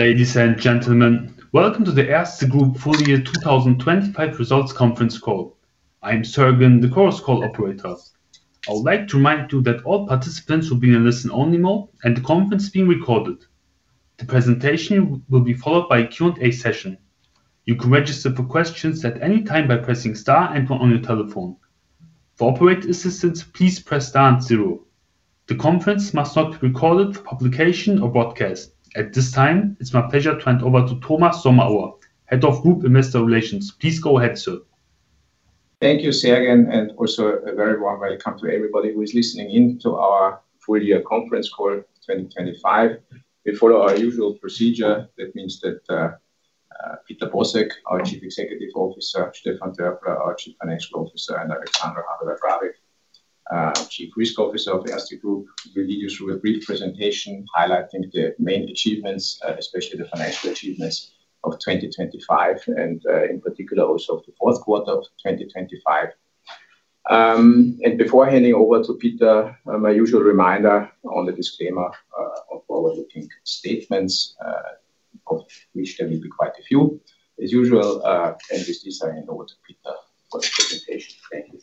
Ladies and gentlemen, welcome to the Erste Group Full Year 2025 Results Conference Call. I'm Sergen, the conference call operator. I would like to remind you that all participants will be in a listen-only mode, and the conference is being recorded. The presentation will be followed by a Q&A session. You can register for questions at any time by pressing star and 1 on your telephone. For operator assistance, please press star and 0. The conference must not be recorded for publication or broadcast. At this time, it's my pleasure to hand over to Thomas Sommerauer, Head of Group Investor Relations. Please go ahead, sir. Thank you, Sergen, also a very warm welcome to everybody who is listening in to our Full Year Conference Call, 2025. We follow our usual procedure. That means that Peter Bosek, our Chief Executive Officer, Stefan Dörfler, our Chief Financial Officer, and Alexandra Habeler-Drabek, Chief Risk Officer of the Erste Group, will lead you through a brief presentation highlighting the main achievements, especially the financial achievements of 2025, and in particular, also the fourth quarter of 2025. Before handing over to Peter, my usual reminder on the disclaimer of forward-looking statements, of which there will be quite a few. As usual, with this, I hand over to Peter for the presentation. Thank you.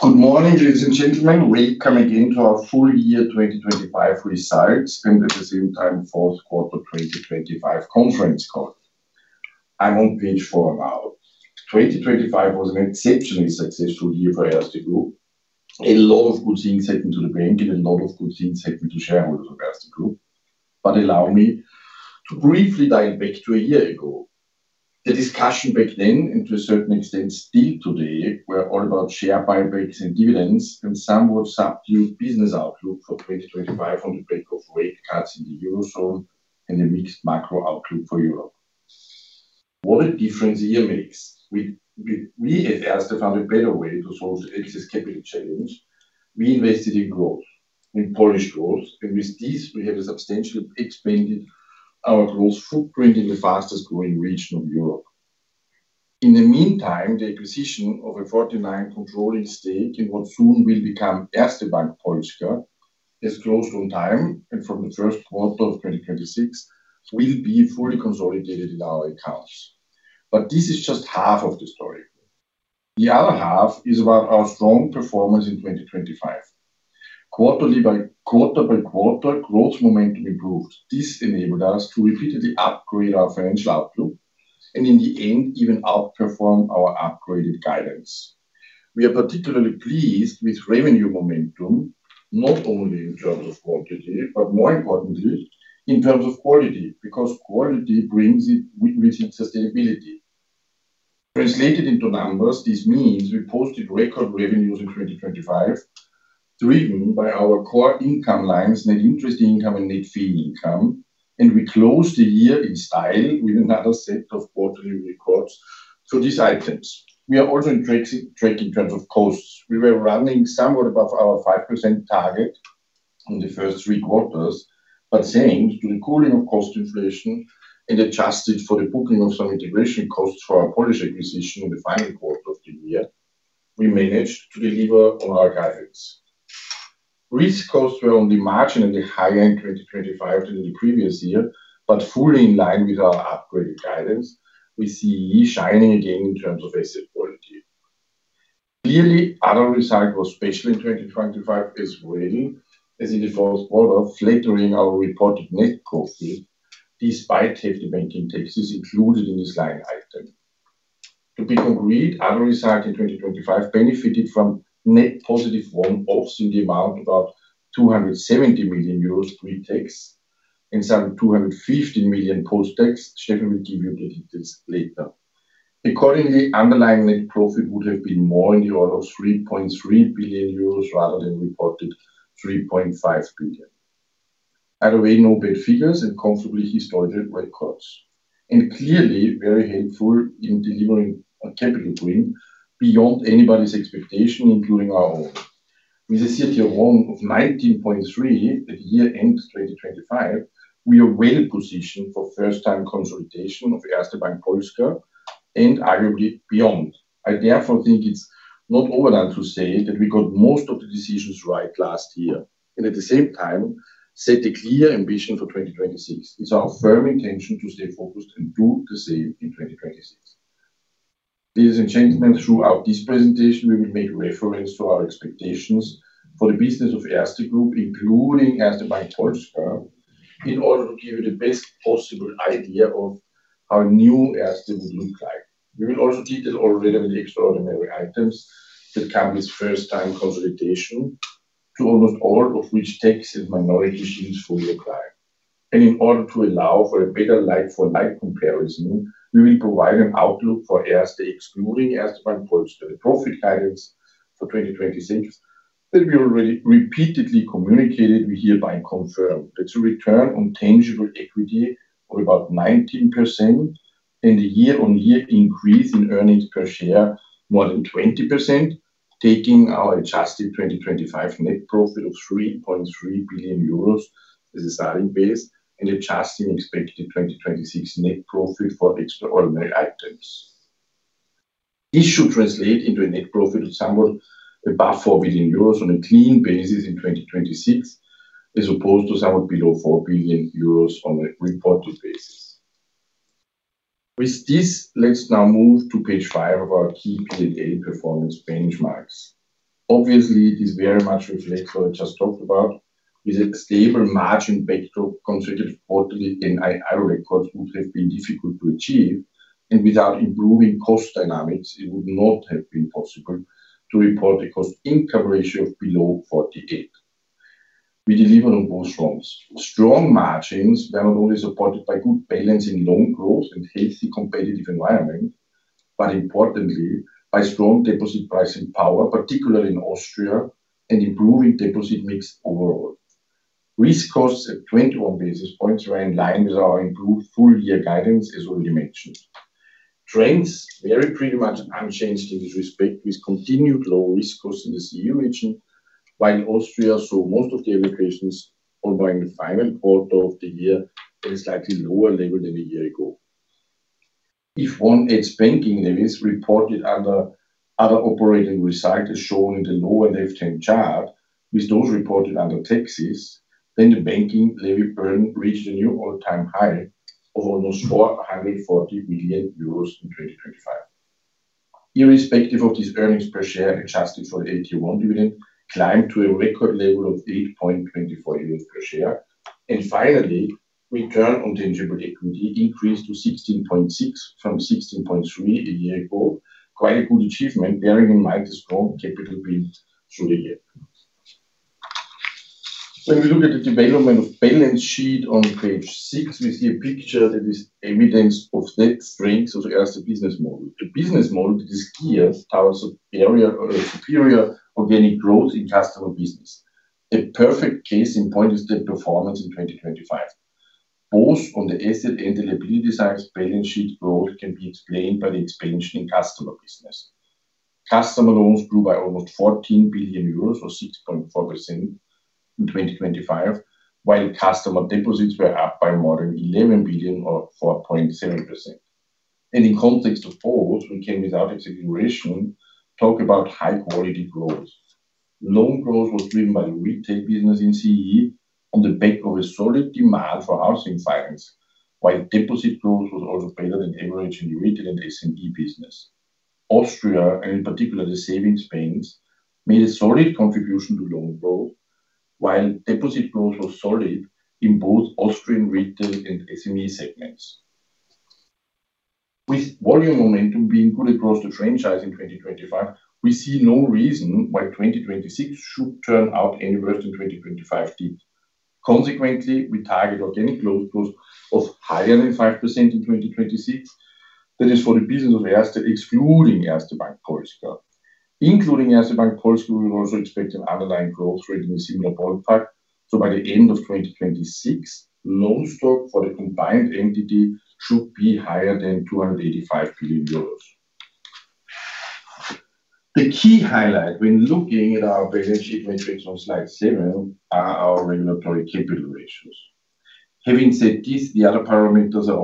Good morning, ladies and gentlemen. Welcome again to our Full Year 2025 Results, and at the same time, Fourth Quarter 2025 Conference Call. I'm on page four now. 2025 was an exceptionally successful year for Erste Group. A lot of good things happened to the bank, and a lot of good things happened to the shareowners of Erste Group. Allow me to briefly dial back to a year ago. The discussion back then, and to a certain extent, still today, were all about share buybacks and dividends, and somewhat subdued business outlook for 2025 on the back of rate cuts in the Eurozone and a mixed macro outlook for Europe. What a difference a year makes! We at Erste found a better way to solve excess capital challenge. We invested in growth, in Polish growth, and with this, we have substantially expanded our growth footprint in the fastest-growing region of Europe. In the meantime, the acquisition of a 49 controlling stake in what soon will become Erste Bank Polska is close on time, and from the first quarter of 2026, will be fully consolidated in our accounts. This is just half of the story. The other half is about our strong performance in 2025. Quarter by quarter, growth momentum improved. This enabled us to repeatedly upgrade our financial outlook and, in the end, even outperform our upgraded guidance. We are particularly pleased with revenue momentum, not only in terms of quantity, but more importantly, in terms of quality, because quality brings it with it sustainability. Translated into numbers, this means we posted record revenues in 2025, driven by our core income lines, Net Interest Income, and Net Fee Income, and we closed the year in style with another set of quarterly records for these items. We are also on track in terms of costs. We were running somewhat above our 5% target on the first three quarters, but thanks to the cooling of cost inflation and adjusted for the booking of some integration costs for our Polish acquisition in the final quarter of the year, we managed to deliver on our guidance. Risk costs were on the margin in the high end in 2025 than in the previous year, but fully in line with our upgraded guidance. We see shining again in terms of asset quality. Other results were special in 2025 as well as in the first quarter, flattering our reported net profit, despite heavy banking taxes included in this line item. To be concrete, other results in 2025 benefited from net +1, both in the amount about 270 million euros pre-tax and some 250 million post-tax. Stefan will give you the details later. Underlying net profit would have been more in the order of 3.3 billion euros rather than reported 3.5 billion. No bad figures and comfortably historical records, and clearly very helpful in delivering a capital gain beyond anybody's expectation, including our own. With a CET1 of 19.3 at year-end 2025, we are well positioned for first-time consolidation of Erste Bank Polska and arguably beyond. I therefore think it's not overdone to say that we got most of the decisions right last year and at the same time set a clear ambition for 2026. It's our firm intention to stay focused and do the same in 2026. Ladies and gentlemen, throughout this presentation, we will make reference to our expectations for the business of Erste Group, including Erste Bank Polska, in order to give you the best possible idea of our new Erste would look like. We will also deal with all relevant extraordinary items that come with first-time consolidation, to almost all of which tax and minority issues fully apply. In order to allow for a better like-for-like comparison, we will provide an outlook for Erste, excluding Erste Bank Polska. The profit guidance for 2026 that we already repeatedly communicated, we hereby confirm. That's a Return on Tangible Equity of about 19% and a year-on-year increase in earnings per share more than 20%, taking our adjusted 2025 net profit of 3.3 billion euros as a starting base and adjusting expected 2026 net profit for extraordinary items. This should translate into a net profit of somewhat above 4 billion euros on a clean basis in 2026, as opposed to somewhat below 4 billion euros on a reported basis. With this, let's now move to page 5 of our key P&L performance benchmarks. Obviously, it is very much reflected what I just talked about, with a stable margin backdrop, consolidated quarterly and high records would have been difficult to achieve, and without improving cost dynamics, it would not have been possible to report a cost-income ratio of below 48. We delivered on both fronts. Strong margins were not only supported by good balance in loan growth and healthy competitive environment, but importantly, by strong deposit pricing power, particularly in Austria, and improving deposit mix overall. Risk costs at 21 basis points were in line with our improved full year guidance, as already mentioned. Trends very pretty much unchanged in this respect, with continued low risk costs in the CEE region, while Austria saw most of the elevations although in the final quarter of the year at a slightly lower level than a year ago. If one adds banking, that is reported under other operating results, as shown in the lower left-hand chart, with those reported under taxes, then the banking levy burn reached a new all-time high of almost 440 million euros in 2025. Irrespective of these earnings per share, adjusted for the AT1 dividend climbed to a record level of 8.24 euros per share. Finally, Return on Tangible Equity increased to 16.6 from 16.3 a year ago. Quite a good achievement, bearing in mind the strong capital build through the year. When we look at the development of balance sheet on page 6, we see a picture that is evidence of net strength of the Erste business model. The business model that is geared towards superior organic growth in customer business. The perfect case in point is the performance in 2025. Both on the asset and the liability side, balance sheet growth can be explained by the expansion in customer business. Customer loans grew by almost 14 billion euros, or 6.4% in 2025, while customer deposits were up by more than 11 billion, or 4.7%. In context of both, we can, without exaggeration, talk about high quality growth. Loan growth was driven by the retail business in CEE on the back of a solid demand for housing finance, while deposit growth was also better than average in the retail and SME business. Austria, and in particular, the Sparkassen, made a solid contribution to loan growth, while deposit growth was solid in both Austrian retail and SME segments. With volume momentum being good across the franchise in 2025, we see no reason why 2026 should turn out any worse than 2025 did. We target organic loan growth of higher than 5% in 2026. That is for the business of Erste, excluding Erste Bank Polska. Including Erste Bank Polska, we also expect an underlying growth rate in a similar ballpark, so by the end of 2026, loan stock for the combined entity should be higher than 285 billion euros. The key highlight when looking at our balance sheet matrix on slide 7 are our regulatory capital ratios. Having said this, the other parameters are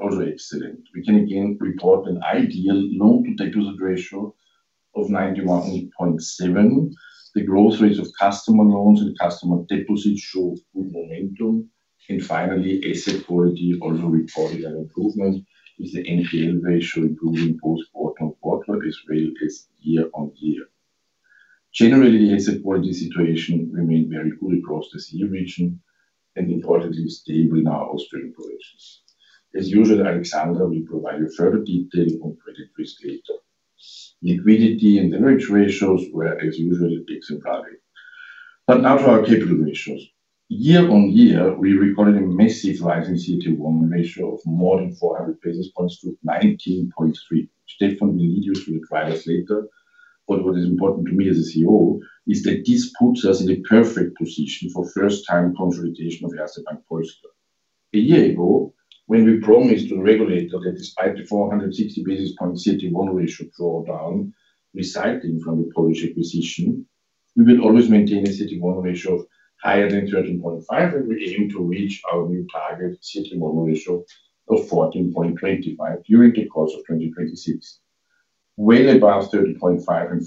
also excellent. We can again report an ideal Loan-to-Deposit Ratio of 91.7. The growth rates of customer loans and customer deposits show good momentum. Finally, asset quality also reported an improvement, with the NPL ratio improving both quarter-over-quarter as well as year-over-year. Generally, asset quality situation remained very good across the CEE region, and importantly, stable in our Austrian operations. As usual, Alexandra Habeler-Drabek will provide you further detail on credit risk later. Liquidity and leverage ratios were, as usually, ticks and rally. Now to our capital ratios. Year on year, we recorded a massive rise in CET1 ratio of more than 400 basis points to 19.3%, which Stefan Dörfler will lead you through the trials later. What is important to me as a CEO is that this puts us in a perfect position for first-time consolidation of Erste Bank Polska. A year ago, when we promised the regulator that despite the 460 basis point CET1 ratio drawdown resulting from the Polish acquisition, we will always maintain a CET1 ratio of higher than 13.5%, and we aim to reach our new target CET1 ratio of 14.25% during the course of 2026. Way above 13.5 and 14.25,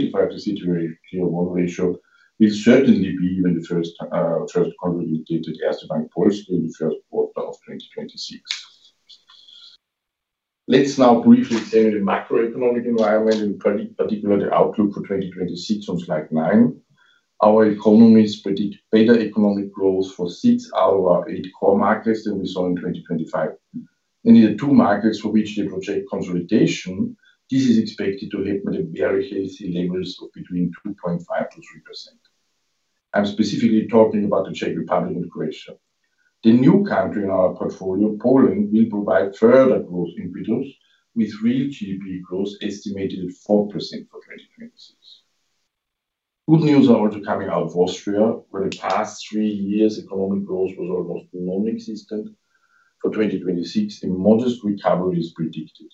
the CET1 ratio will certainly be when the first consolidated Erste Bank Polska in the first quarter of 2026. Let's now briefly examine the macroeconomic environment, in particular, the outlook for 2026 on slide 9. Our economies predict better economic growth for 6 out of our 8 core markets than we saw in 2025. In the 2 markets for which they project consolidation, this is expected to happen at very healthy levels of between 2.5%-3%. I'm specifically talking about the Czech Republic and Croatia. The new country in our portfolio, Poland, will provide further growth impetus, with real GDP growth estimated at 4% for 2026. Good news are also coming out of Austria, where the past 3 years, economic growth was almost non-existent. For 2026, a modest recovery is predicted.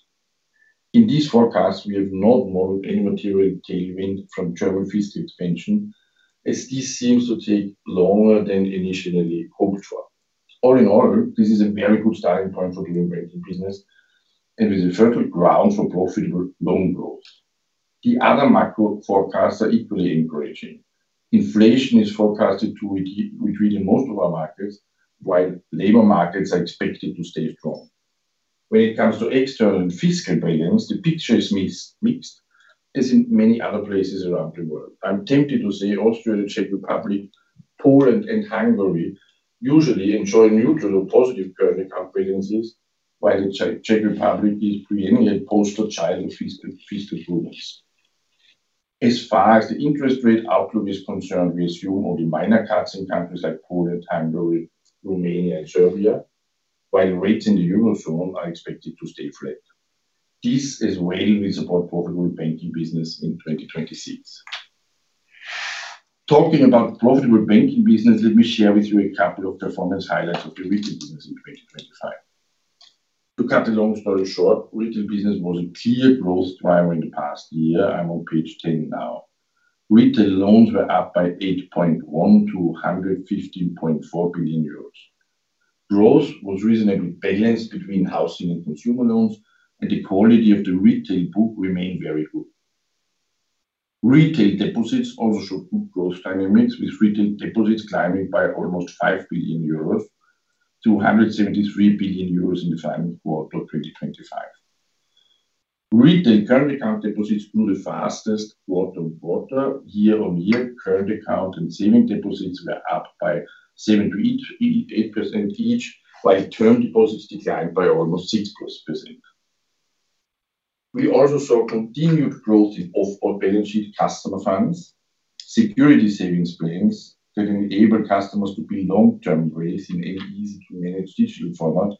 In these forecasts, we have not modeled any material tailwind from German fiscal expansion, as this seems to take longer than initially hoped for. This is a very good starting point for doing banking business, and with a fertile ground for profitable loan growth. The other macro forecasts are equally encouraging. Inflation is forecasted to retreat in most of our markets, while labor markets are expected to stay strong. When it comes to external and fiscal balance, the picture is mixed, as in many other places around the world. I'm tempted to say Austria, the Czech Republic, Poland, and Hungary usually enjoy neutral or positive current account balances, while the Czech Republic is pre-post-child fiscal rules. As far as the interest rate outlook is concerned, we assume only minor cuts in countries like Poland, Hungary, Romania, and Serbia, while rates in the Eurozone are expected to stay flat. This is where we support profitable banking business in 2026. Talking about profitable banking business, let me share with you a couple of performance highlights of the retail business in 2025. To cut the long story short, retail business was a clear growth driver in the past year. I'm on page 10 now. Retail loans were up by 8.1 to 115.4 billion euros. Growth was reasonably balanced between housing and consumer loans, and the quality of the retail book remained very good. Retail deposits also good growth dynamics, with retail deposits climbing by almost 5 billion euros to 173 billion euros in the final quarter of 2025. Retail current account deposits grew the fastest quarter-on-quarter, year-on-year. Current account and saving deposits were up by 7-8, 8% each, while term deposits declined by almost 6+%. We also saw continued growth in off-balance-sheet customer funds, security savings plans that enable customers to build long-term wealth in a easy to manage digital format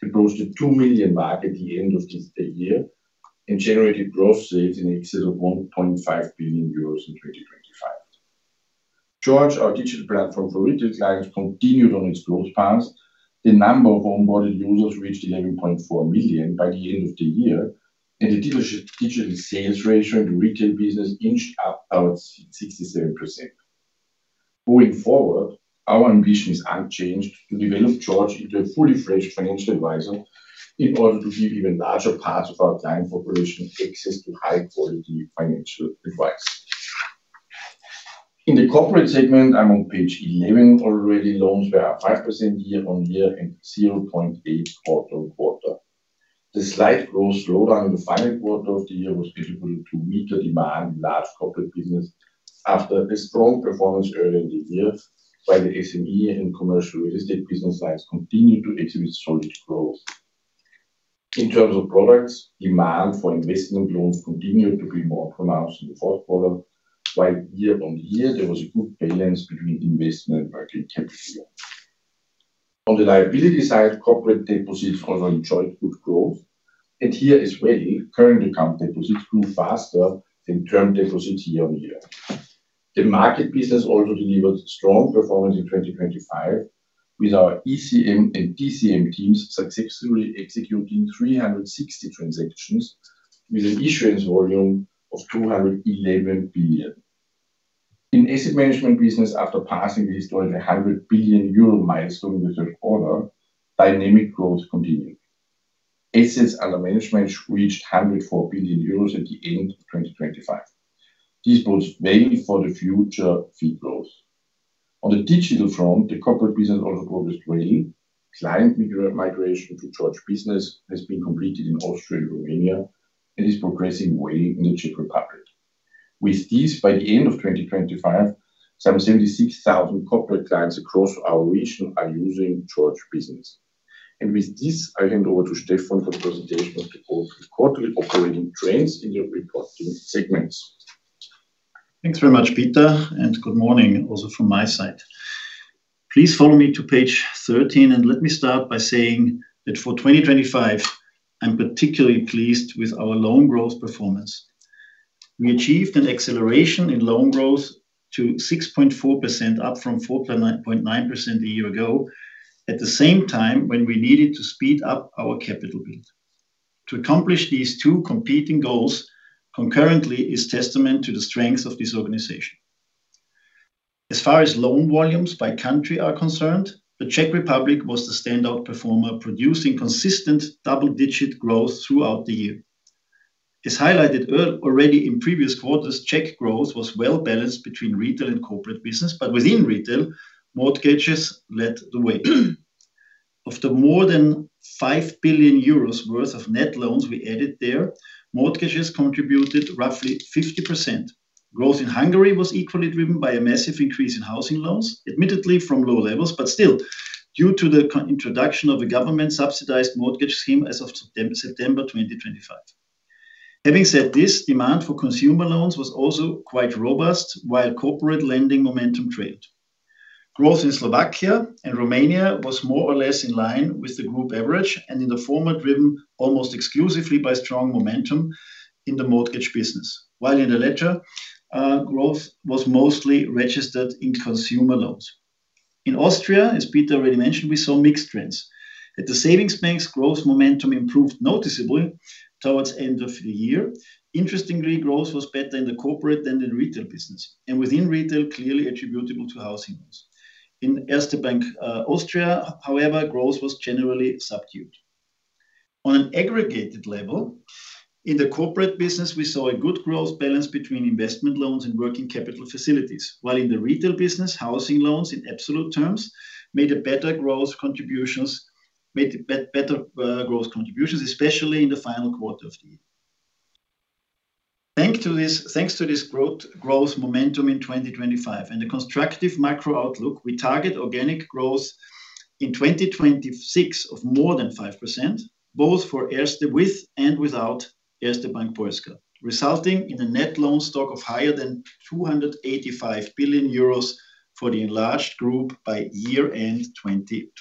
to close to 2 million mark at the end of the year and generated growth rates in excess of 1.5 billion euros in 2025. George, our digital platform for retail clients, continued on its growth path. The number of onboarded users reached 11.4 million by the end of the year, the digital sales ratio in the retail business inched up about 67%. Going forward, our ambition is unchanged to develop George into a fully fledged financial advisor in order to give even larger parts of our client population access to high quality financial advice. In the corporate segment, I'm on page 11 already, loans were up 5% year-over-year and 0.8 quarter-over-quarter. The slight growth slowdown in the final quarter of the year was due to meet the demand in large corporate business after a strong performance earlier in the year, while the SME and commercial real estate business lines continued to exhibit solid growth. In terms of products, demand for investment loans continued to be more pronounced in the fourth quarter, while year-over-year there was a good balance between investment and working capital. On the liability side, corporate deposits also enjoyed good growth, and here as well, current account deposits grew faster than term deposits year-on-year. The market business also delivered strong performance in 2025, with our ECM and DCM teams successfully executing 360 transactions with an issuance volume of 211 billion. In asset management business, after passing the historic 100 billion euro milestone with order, dynamic growth continued. Assets under management reached 104 billion euros at the end of 2025. This bodes well for the future fee growth. On the digital front, the corporate business also progressed well. Client migration to George Business has been completed in Austria and Romania, and is progressing well in the Czech Republic. With this, by the end of 2025, some 76,000 corporate clients across our region are using George Business. With this, I hand over to Stefan for the presentation of the quarterly operating trends in the reporting segments. Thanks very much, Peter. Good morning also from my side. Please follow me to page 13, and let me start by saying that for 2025, I'm particularly pleased with our loan growth performance. We achieved an acceleration in loan growth to 6.4%, up from 4.9% a year ago, at the same time when we needed to speed up our capital build. To accomplish these two competing goals concurrently is testament to the strength of this organization. As far as loan volumes by country are concerned, the Czech Republic was the standout performer, producing consistent double-digit growth throughout the year. As highlighted already in previous quarters, Czech growth was well balanced between retail and corporate business, but within retail, mortgages led the way. Of the more than 5 billion euros worth of net loans we added there, mortgages contributed roughly 50%. Growth in Hungary was equally driven by a massive increase in housing loans, admittedly from low levels, but still, due to the introduction of a government-subsidized mortgage scheme as of September 2025. Having said this, demand for consumer loans was also quite robust, while corporate lending momentum trailed. Growth in Slovakia and Romania was more or less in line with the group average, and in the former, driven almost exclusively by strong momentum in the mortgage business. While in the latter, growth was mostly registered in consumer loans. In Austria, as Peter already mentioned, we saw mixed trends. At the savings banks, growth momentum improved noticeably towards end of the year. Interestingly, growth was better in the corporate than in retail business, and within retail, clearly attributable to housing loans. In Erste Bank Austria, however, growth was generally subdued. On an aggregated level, in the corporate business, we saw a good growth balance between investment loans and working capital facilities. While in the retail business, housing loans in absolute terms made better growth contributions, especially in the final quarter of the year. Thanks to this growth momentum in 2025 and the constructive macro outlook, we target organic growth in 2026 of more than 5%, both for Erste with and without Erste Bank Polska, resulting in a net loan stock of higher than 285 billion euros for the enlarged group by year end, 2026.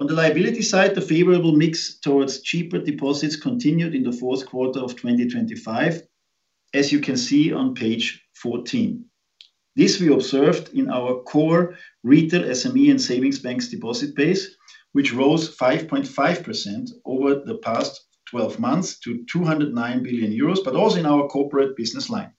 On the liability side, the favorable mix towards cheaper deposits continued in the fourth quarter of 2025, as you can see on page 14. This we observed in our core retail SME and savings banks deposit base, which rose 5.5% over the past 12 months to 209 billion euros, but also in our corporate business line.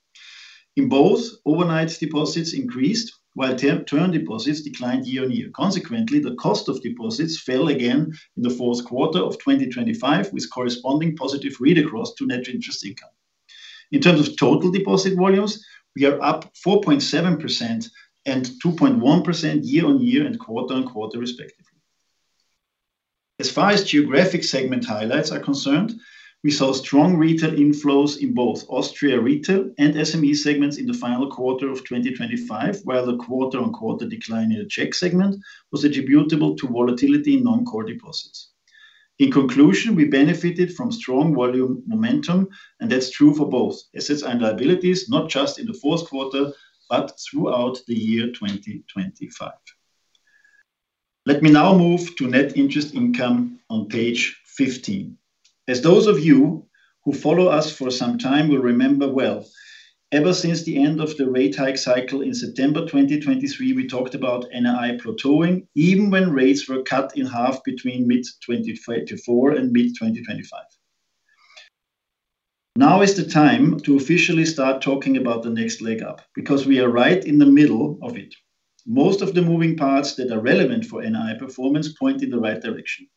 In both, overnight deposits increased, while term deposits declined year-on-year. Consequently, the cost of deposits fell again in the fourth quarter of 2025, with corresponding positive read-across to Net Interest Income. In terms of total deposit volumes, we are up 4.7% and 2.1% year-on-year and quarter-on-quarter, respectively. As far as geographic segment highlights are concerned, we saw strong retail inflows in both Austria retail and SME segments in the final quarter of 2025, where the quarter-on-quarter decline in the Czech segment was attributable to volatility in non-core deposits. In conclusion, we benefited from strong volume momentum, and that's true for both assets and liabilities, not just in the fourth quarter, but throughout the year 2025. Let me now move to Net Interest Income on page 15. As those of you who follow us for some time will remember well, ever since the end of the rate hike cycle in September 2023, we talked about NII plateauing, even when rates were cut in half between mid-2024 and mid-2025. Now is the time to officially start talking about the next leg up, because we are right in the middle of it. Most of the moving parts that are relevant for NII performance point in the right direction.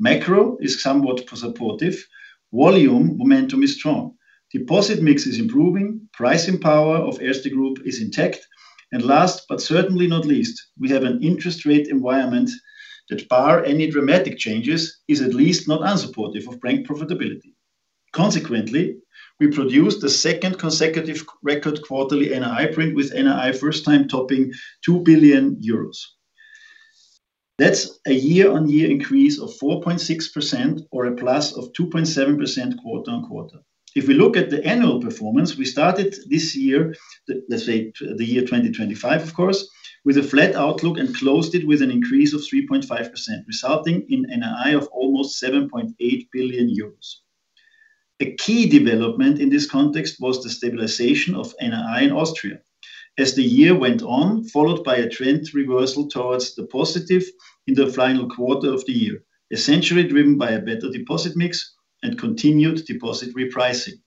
Macro is somewhat supportive, volume momentum is strong, deposit mix is improving, pricing power of Erste Group is intact, last, but certainly not least, we have an interest rate environment that, bar any dramatic changes, is at least not unsupportive of bank profitability. Consequently, we produced the second consecutive record quarterly NII print, with NII first time topping 2 billion euros. That's a year-on-year increase of 4.6% or a +2.7% quarter-on-quarter. If we look at the annual performance, we started this year, the, let's say, the year 2025, of course, with a flat outlook and closed it with an increase of 3.5%, resulting in NII of almost 7.8 billion euros. A key development in this context was the stabilization of NII in Austria. As the year went on, followed by a trend reversal towards the positive in the final quarter of the year, essentially driven by a better deposit mix and continued deposit repricing.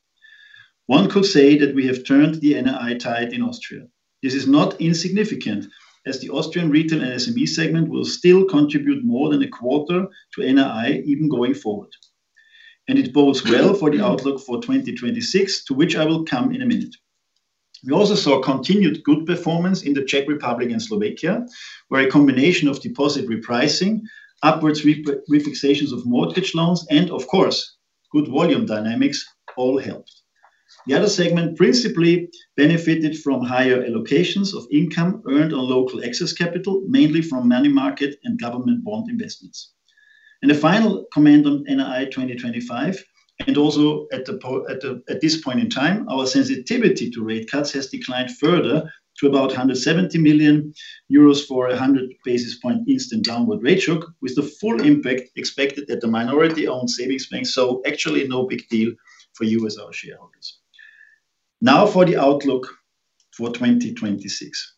One could say that we have turned the NII tide in Austria. This is not insignificant, as the Austrian retail and SME segment will still contribute more than a quarter to NII, even going forward, and it bodes well for the outlook for 2026, to which I will come in a minute. We also saw continued good performance in the Czech Republic and Slovakia, where a combination of deposit repricing, upwards refixations of mortgage loans, and of course, good volume dynamics, all helped. The other segment principally benefited from higher allocations of income earned on local excess capital, mainly from money market and government bond investments. The final comment on NII 2025, and also at this point in time, our sensitivity to rate cuts has declined further to about 170 million euros for a 100 basis point instant downward rate shock, with the full impact expected at the minority-owned savings bank. Actually, no big deal for you as our shareholders. For the outlook for 2026.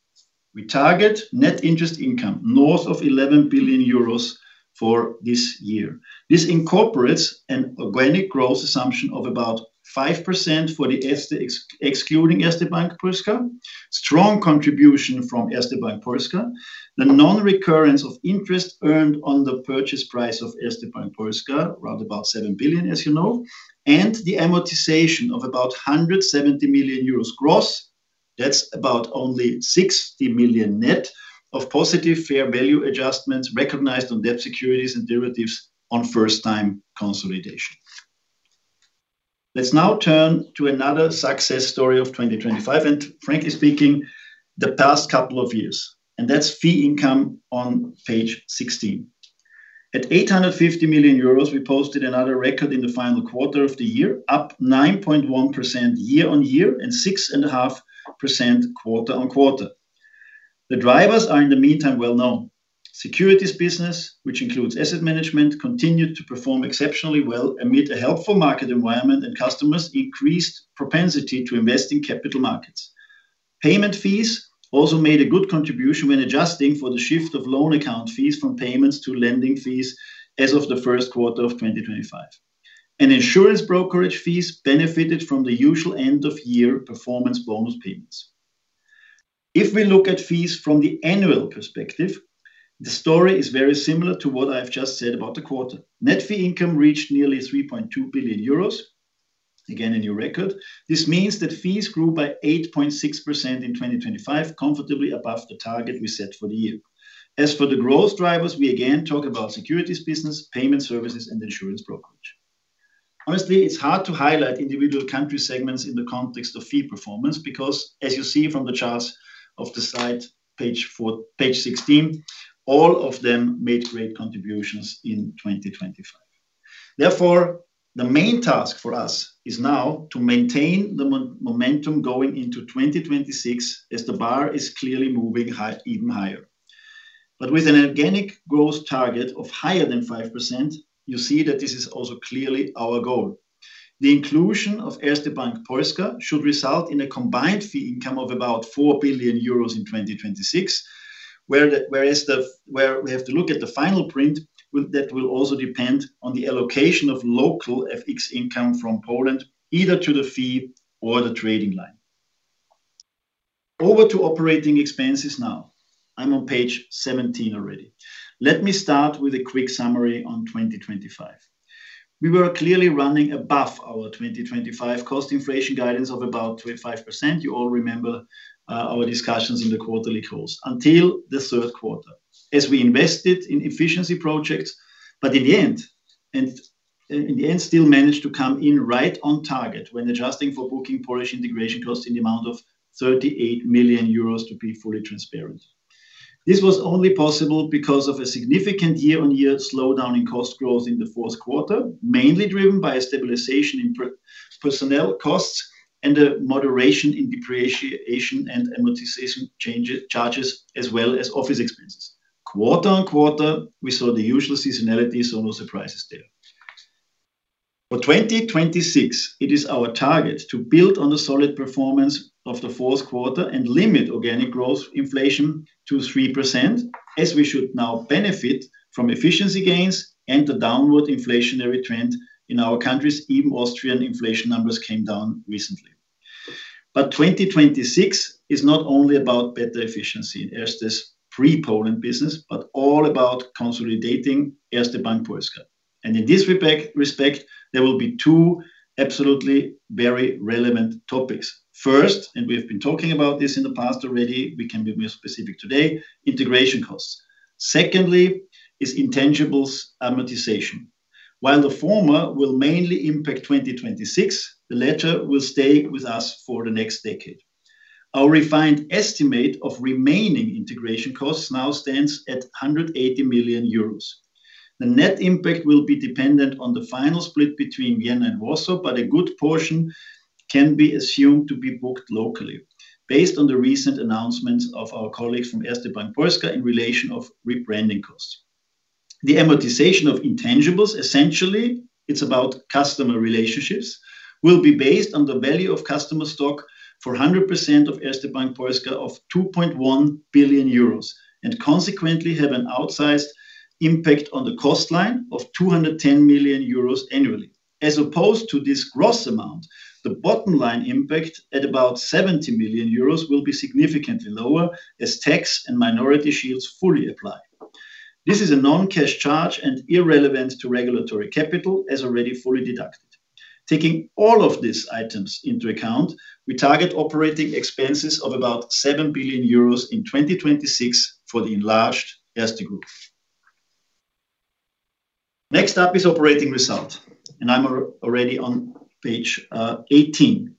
We target Net Interest Income north of 11 billion euros for this year. This incorporates an organic growth assumption of about 5% for the Erste, excluding Erste Bank Polska, strong contribution from Erste Bank Polska, the non-recurrence of interest earned on the purchase price of Erste Bank Polska, around about 7 billion, as you know, and the amortization of about 170 million euros gross. That's about only 60 million net of positive fair value adjustments recognized on debt, securities, and derivatives on first-time consolidation. Let's now turn to another success story of 2025, and frankly speaking, the past couple of years, and that's fee income on page 16. At 850 million euros, we posted another record in the final quarter of the year, up 9.1% year-over-year, and 6.5% quarter-over-quarter. The drivers are, in the meantime, well known. Securities business, which includes asset management, continued to perform exceptionally well amid a helpful market environment and customers' increased propensity to invest in capital markets. Payment fees also made a good contribution when adjusting for the shift of loan account fees from payments to lending fees as of the first quarter of 2025. insurance brokerage fees benefited from the usual end-of-year performance bonus payments. If we look at fees from the annual perspective, the story is very similar to what I've just said about the quarter. Net Fee Income reached nearly 3.2 billion euros, again, a new record. This means that fees grew by 8.6% in 2025, comfortably above the target we set for the year. As for the growth drivers, we again talk about securities business, payment services, and insurance brokerage. Honestly, it's hard to highlight individual country segments in the context of fee performance, because as you see from the charts of the site, page 16, all of them made great contributions in 2025. The main task for us is now to maintain the momentum going into 2026, as the bar is clearly moving high, even higher. With an organic growth target of higher than 5%, you see that this is also clearly our goal. The inclusion of Erste Bank Polska should result in a combined fee income of about 4 billion euros in 2026, where we have to look at the final print, that will also depend on the allocation of local FX income from Poland, either to the fee or the trading line. Over to operating expenses now. I'm on page 17 already. Let me start with a quick summary on 2025. We were clearly running above our 2025 cost inflation guidance of about 25%. You all remember our discussions in the quarterly calls, until the third quarter, as we invested in efficiency projects. In the end, and in the end, still managed to come in right on target when adjusting for booking Polish integration costs in the amount of 38 million euros to be fully transparent. This was only possible because of a significant year-on-year slowdown in cost growth in the fourth quarter, mainly driven by a stabilization in personnel costs and a moderation in depreciation and amortization charges, as well as office expenses. Quarter-on-quarter, we saw the usual seasonality, no surprises there. For 2026, it is our target to build on the solid performance of the fourth quarter and limit organic growth inflation to 3%, as we should now benefit from efficiency gains and the downward inflationary trend in our countries. Even Austrian inflation numbers came down recently. 2026 is not only about better efficiency in Erste's pre-Poland business, but all about consolidating Erste Bank Polska. In this respect, there will be 2 absolutely very relevant topics. First, and we have been talking about this in the past already, we can be more specific today: integration costs. Secondly, is intangibles amortization. While the former will mainly impact 2026, the latter will stay with us for the next decade. Our refined estimate of remaining integration costs now stands at 180 million euros. The net impact will be dependent on the final split between Vienna and Warsaw, but a good portion can be assumed to be booked locally, based on the recent announcements of our colleagues from Erste Bank Polska in relation of rebranding costs. The amortization of intangibles, essentially, it's about customer relationships, will be based on the value of customer stock for 100% of Erste Bank Polska of 2.1 billion euros. Consequently, have an outsized impact on the cost line of 210 million euros annually. As opposed to this gross amount, the bottom line impact, at about 70 million euros, will be significantly lower as tax and minority shields fully apply. This is a non-cash charge and irrelevant to regulatory capital, as already fully deducted. Taking all of these items into account, we target operating expenses of about 7 billion euros in 2026 for the enlarged Erste Group. Next up is operating result, I'm already on page 18.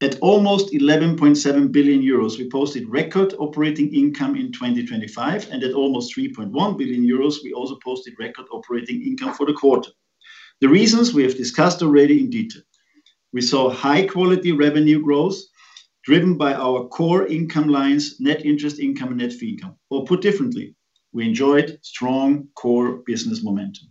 At almost 11.7 billion euros, we posted record operating income in 2025, and at almost 3.1 billion euros, we also posted record operating income for the quarter. The reasons we have discussed already in detail. We saw high-quality revenue growth driven by our core income lines, Net Interest Income, and Net Fee Income. Put differently, we enjoyed strong core business momentum.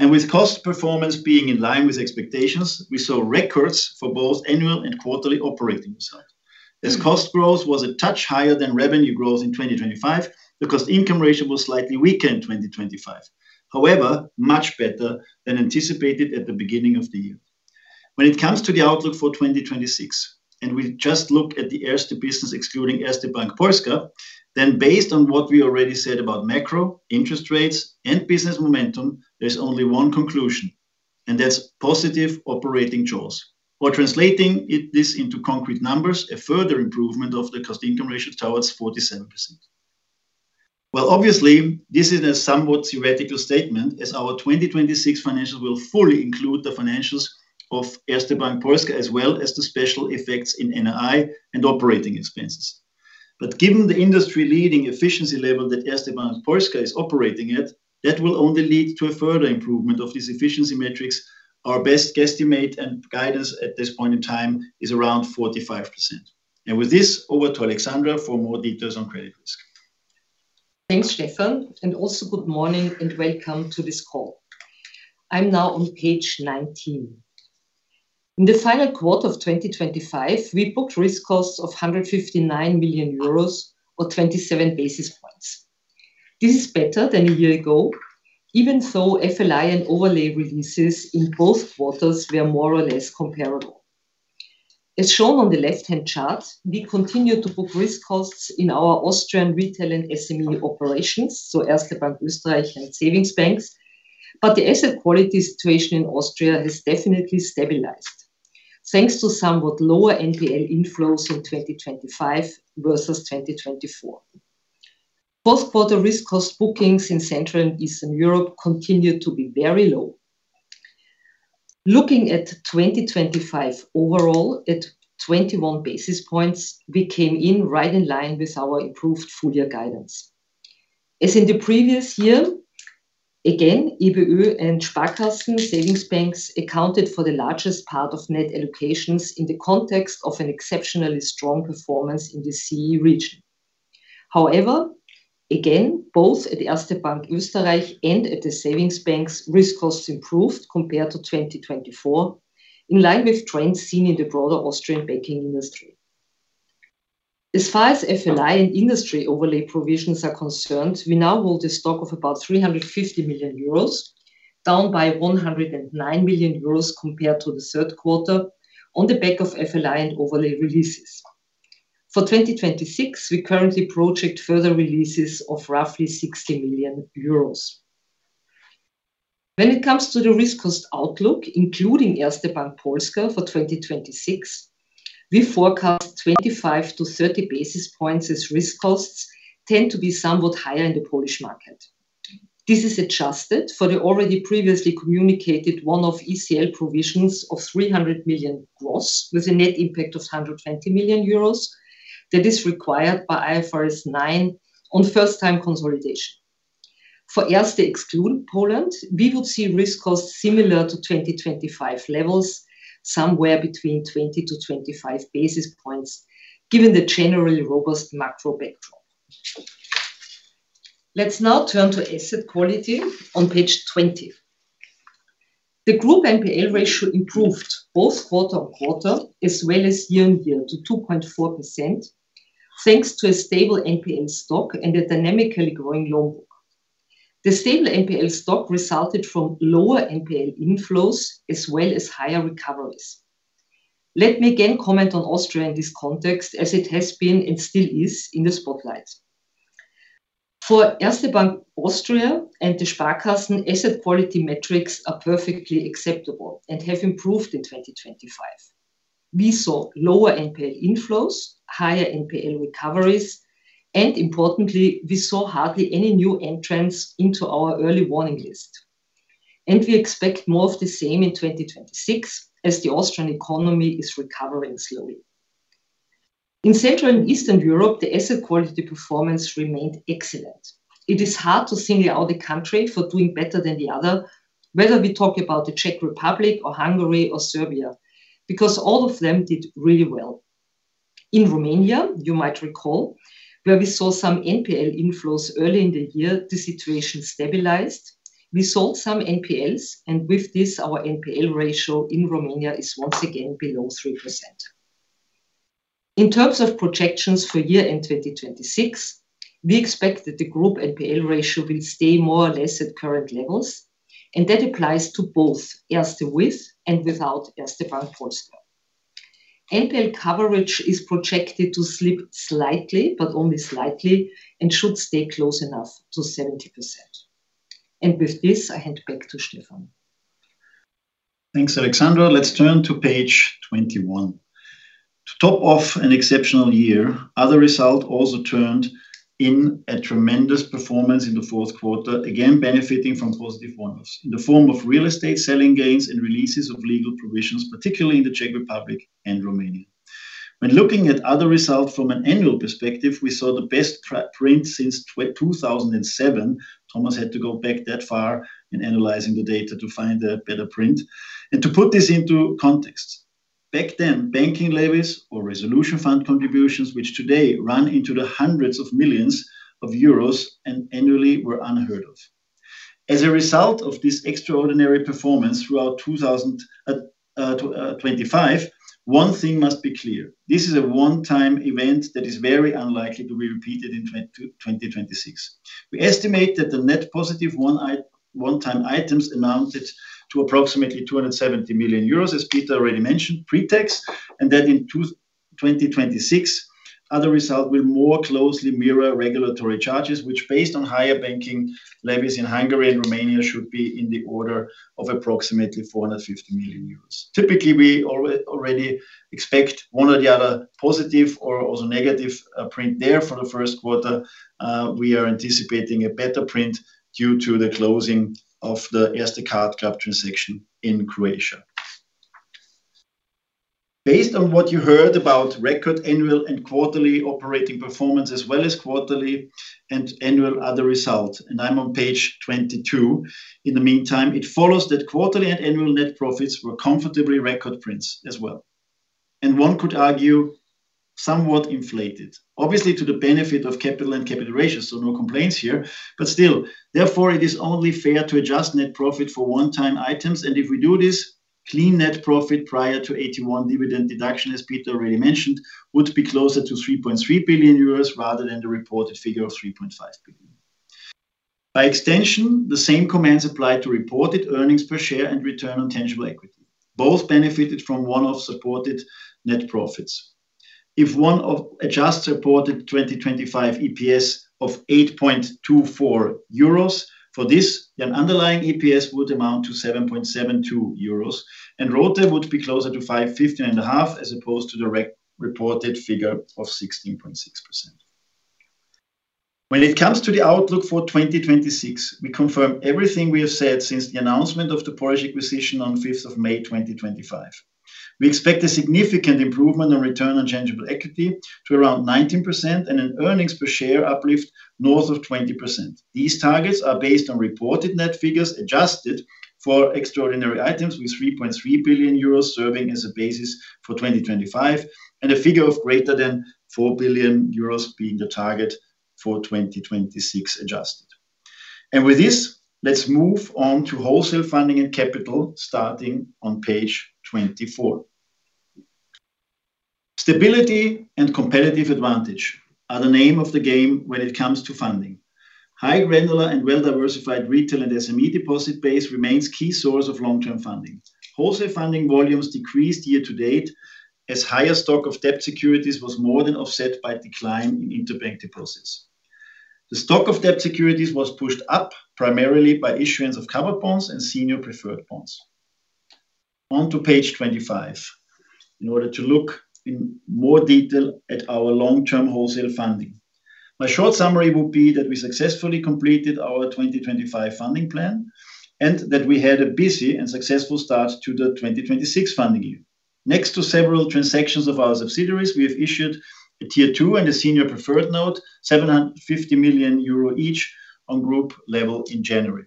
With cost performance being in line with expectations, we saw records for both annual and quarterly operating results, as cost growth was a touch higher than revenue growth in 2025 because the income ratio was slightly weaker in 2025. However, much better than anticipated at the beginning of the year. When it comes to the outlook for 2026, and we just look at the Erste business, excluding Erste Bank Polska, then based on what we already said about macro, interest rates, and business momentum, there's only one conclusion, and that's positive operating jaws. While translating this into concrete numbers, a further improvement of the cost-income ratio towards 47%. Well, obviously, this is a somewhat theoretical statement, as our 2026 financials will fully include the financials of Erste Bank Polska, as well as the special effects in NII and operating expenses. Given the industry-leading efficiency level that Erste Bank Polska is operating at, that will only lead to a further improvement of these efficiency metrics. Our best guesstimate and guidance at this point in time is around 45%. With this, over to Alexandra for more details on credit risk. Thanks, Stefan. Also good morning, and welcome to this call. I'm now on page 19. In the final quarter of 2025, we booked risk costs of 159 million euros or 27 basis points. This is better than a year ago, even so FLI and overlay releases in both quarters were more or less comparable. As shown on the left-hand chart, we continue to book risk costs in our Austrian retail and SME operations, so Erste Bank Österreich and savings banks. The asset quality situation in Austria has definitely stabilized, thanks to somewhat lower NPL inflows in 2025 versus 2024. Both quarter risk cost bookings in Central and Eastern Europe continued to be very low. Looking at 2025 overall, at 21 basis points, we came in right in line with our improved full year guidance. As in the previous year, again, EIB and Sparkassen savings banks accounted for the largest part of net allocations in the context of an exceptionally strong performance in the CE region. Again, both at the Erste Bank Österreich and at the savings banks, risk costs improved compared to 2024, in line with trends seen in the broader Austrian banking industry. As far as FLI and industry overlay provisions are concerned, we now hold a stock of about 350 million euros, down by 109 million euros compared to the third quarter, on the back of FLI and overlay releases. For 2026, we currently project further releases of roughly 60 million euros. When it comes to the risk cost outlook, including Erste Bank Polska for 2026, we forecast 25-30 basis points, as risk costs tend to be somewhat higher in the Polish market. This is adjusted for the already previously communicated one-off ECL provisions of 300 million gross, with a net impact of 120 million euros that is required by IFRS 9 on first time consolidation. For Erste, excluding Poland, we would see risk costs similar to 2025 levels, somewhere between 20-25 basis points, given the generally robust macro backdrop. Let's now turn to asset quality on page 20. The group NPL ratio improved both quarter-on-quarter, as well as year-on-year, to 2.4%, thanks to a stable NPL stock and a dynamically growing loan book. The stable NPL stock resulted from lower NPL inflows as well as higher recoveries. Let me again comment on Austria in this context, as it has been, and still is, in the spotlight. For Erste Bank Austria and the Sparkassen, asset quality metrics are perfectly acceptable and have improved in 2025. We saw lower NPL inflows, higher NPL recoveries, and importantly, we saw hardly any new entrants into our Early Warning List. We expect more of the same in 2026, as the Austrian economy is recovering slowly. In Central and Eastern Europe, the asset quality performance remained excellent. It is hard to single out a country for doing better than the other, whether we talk about the Czech Republic or Hungary or Serbia, because all of them did really well. In Romania, you might recall, where we saw some NPL inflows early in the year, the situation stabilized. We sold some NPLs, and with this, our NPL ratio in Romania is once again below 3%. In terms of projections for year-end 2026, we expect that the group NPL ratio will stay more or less at current levels, and that applies to both Erste with and without Erste Bank Polska. NPL coverage is projected to slip slightly, but only slightly, and should stay close enough to 70%. With this, I hand back to Stefan. Thanks, Alexandra. Let's turn to page 21. To top off an exceptional year, other result also turned in a tremendous performance in the fourth quarter, again, benefiting from positive one-offs in the form of real estate selling gains and releases of legal provisions, particularly in the Czech Republic and Romania. When looking at other results from an annual perspective, we saw the best print since 2007. Thomas had to go back that far in analyzing the data to find a better print. To put this into context, back then, banking levies or resolution fund contributions, which today run into the hundreds of millions of EUR, and annually, were unheard of. As a result of this extraordinary performance throughout 2025, one thing must be clear: This is a one-time event that is very unlikely to be repeated in 2026. We estimate that the net positive one-time items amounted to approximately 270 million euros, as Peter already mentioned, pre-tax. That in 2026, other result will more closely mirror regulatory charges, which, based on higher banking levies in Hungary and Romania, should be in the order of approximately 450 million euros. Typically, we already expect one or the other, positive or also negative, print there for the first quarter. We are anticipating a better print due to the closing of the Erste Card Club transaction in Croatia. Based on what you heard about record annual and quarterly operating performance, as well as quarterly and annual other results, I'm on page 22. In the meantime, it follows that quarterly and annual Net profits were comfortably record prints as well, one could argue, somewhat inflated, obviously, to the benefit of capital and capital ratios, no complaints here. Still, therefore, it is only fair to adjust Net profit for one-time items, and if we do this? clean Net profit prior to AT1 dividend deduction, as Peter already mentioned, would be closer to 3.3 billion euros rather than the reported figure of 3.5 billion. By extension, the same comments apply to reported earnings per share and Return on Tangible Equity. Both benefited from one of supported net profits. If one of adjusted reported 2025 EPS of 8.24 euros, for this, an underlying EPS would amount to 7.72 euros, and ROATE would be closer to 550.5%, as opposed to the reported figure of 16.6%. When it comes to the outlook for 2026, we confirm everything we have said since the announcement of the Polish acquisition on 5th of May, 2025. We expect a significant improvement on Return on Tangible Equity to around 19% and an earnings per share uplift north of 20%. These targets are based on reported net figures, adjusted for extraordinary items, with 3.3 billion euros serving as a basis for 2025, and a figure of greater than 4 billion euros being the target for 2026, adjusted. With this, let's move on to wholesale funding and capital, starting on page 24. Stability and competitive advantage are the name of the game when it comes to funding. High granular and well-diversified retail and SME deposit base remains key source of long-term funding. Wholesale funding volumes decreased year to date, as higher stock of debt securities was more than offset by a decline in interbank deposits. The stock of debt securities was pushed up primarily by issuance of covered bonds and senior preferred bonds. On to page 25, in order to look in more detail at our long-term wholesale funding. My short summary would be that we successfully completed our 2025 funding plan, that we had a busy and successful start to the 2026 funding year. Next to several transactions of our subsidiaries, we have issued a Tier 2 and a senior preferred note, 750 million euro each on group level in January.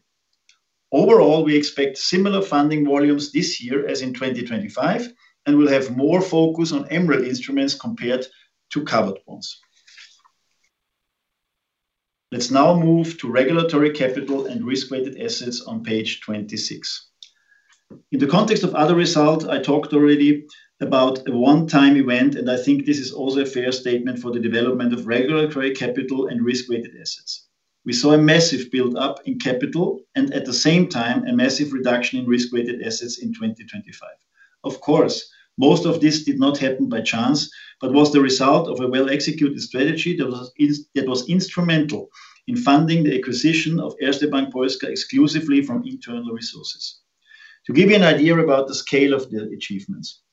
Overall, we expect similar funding volumes this year as in 2025, and we'll have more focus on MREL instruments compared to covered bonds. Let's now move to regulatory capital and risk-weighted assets on page 26. In the context of other results, I talked already about a one-time event. I think this is also a fair statement for the development of regulatory capital and risk-weighted assets. We saw a massive buildup in capital and at the same time, a massive reduction in risk-weighted assets in 2025. Of course, most of this did not happen by chance, but was the result of a well-executed strategy that was instrumental in funding the acquisition of Erste Bank Polska exclusively from internal resources. To give you an idea about the scale of the achievements,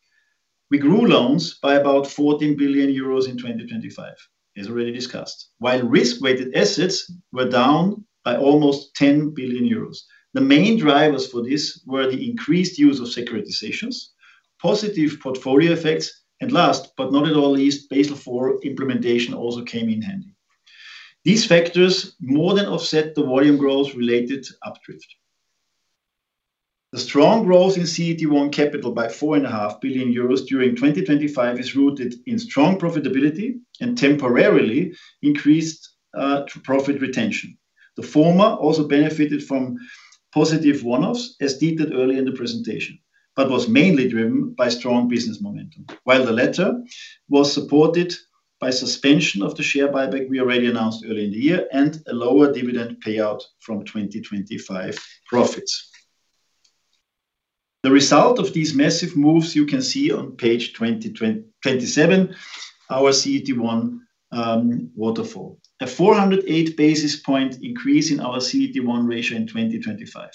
we grew loans by about 14 billion euros in 2025, as already discussed, while risk-weighted assets were down by almost 10 billion euros. The main drivers for this were the increased use of securitizations, positive portfolio effects, and last, but not at all least, Basel IV implementation also came in handy. These factors more than offset the volume growth related to up drift. The strong growth in CET1 capital by 4.5 billion euros during 2025 is rooted in strong profitability and temporarily increased profit retention. The former also benefited from positive one-offs, as detailed early in the presentation, but was mainly driven by strong business momentum. While the latter was supported by suspension of the share buyback we already announced early in the year, and a lower dividend payout from 2025 profits. The result of these massive moves you can see on page 27, our CET1 waterfall. A 408 basis point increase in our CET1 ratio in 2025.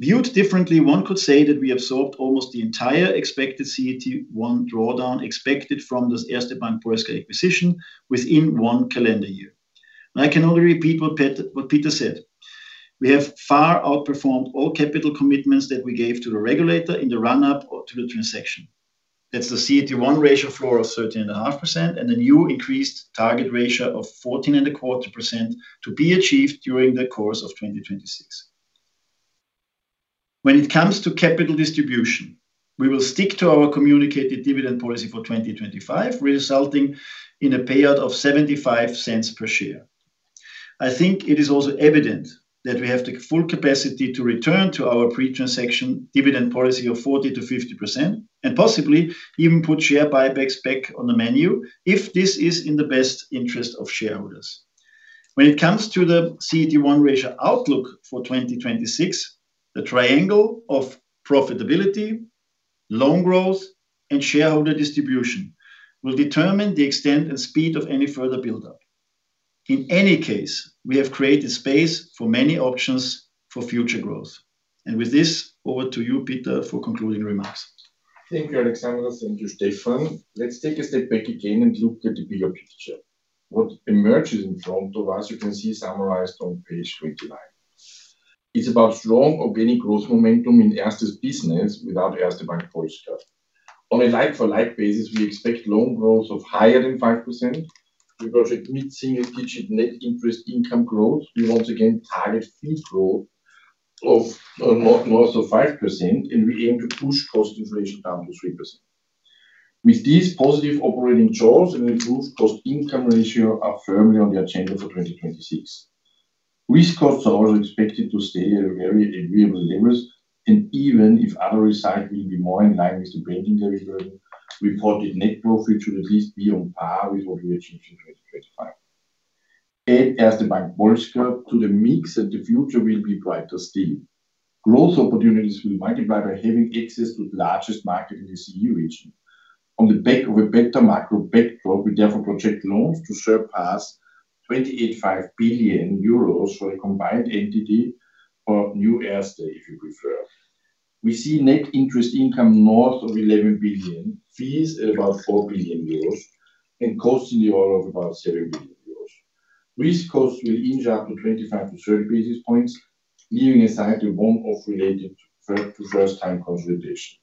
Viewed differently, one could say that we absorbed almost the entire expected CET1 drawdown expected from this Erste Bank Polska acquisition within 1 calendar year. I can only repeat what Peter said, we have far outperformed all capital commitments that we gave to the regulator in the run-up or to the transaction. That's the CET1 ratio floor of 13.5%, and a new increased target ratio of 14.25% to be achieved during the course of 2026. When it comes to capital distribution, we will stick to our communicated dividend policy for 2025, resulting in a payout of 0.75 per share. I think it is also evident that we have the full capacity to return to our pre-transaction dividend policy of 40%-50%, and possibly even put share buybacks back on the menu, if this is in the best interest of shareholders. When it comes to the CET1 ratio outlook for 2026, the triangle of profitability, loan growth, and shareholder distribution will determine the extent and speed of any further buildup. In any case, we have created space for many options for future growth. With this, over to you, Peter, for concluding remarks. Thank you, Alexandra. Thank you, Stefan. Let's take a step back again and look at the bigger picture. What emerges in front of us, you can see summarized on page 29. It's about strong organic growth momentum in Erste Group's business without Erste Bank Polska. On a like-for-like basis, we expect loan growth of higher than 5%. We project mid-single-digit Net Interest Income growth. We once again target fee growth of more so 5%, and we aim to push cost inflation down to 3%. With these positive operating jaws and improved cost-income ratio are firmly on the agenda for 2026. Risk costs are also expected to stay at very agreeable levels, even if other results will be more in line with the banking delivery, reported net profit should at least be on par with what we achieved in 2025. As Erste Bank Polska to the mix and the future will be brighter still. Growth opportunities will be multiplied by having access to the largest market in the EU region. On the back of a better macro backdrop, we therefore project loans to surpass 28.5 billion euros for a combined entity or new Erste, if you prefer. We see Net Interest Income north of 11 billion, fees at about 4 billion euros, and costs in the order of about 7 billion euros. Risk costs will inch up to 25-30 basis points, leaving aside the one-off related to first-time consolidation.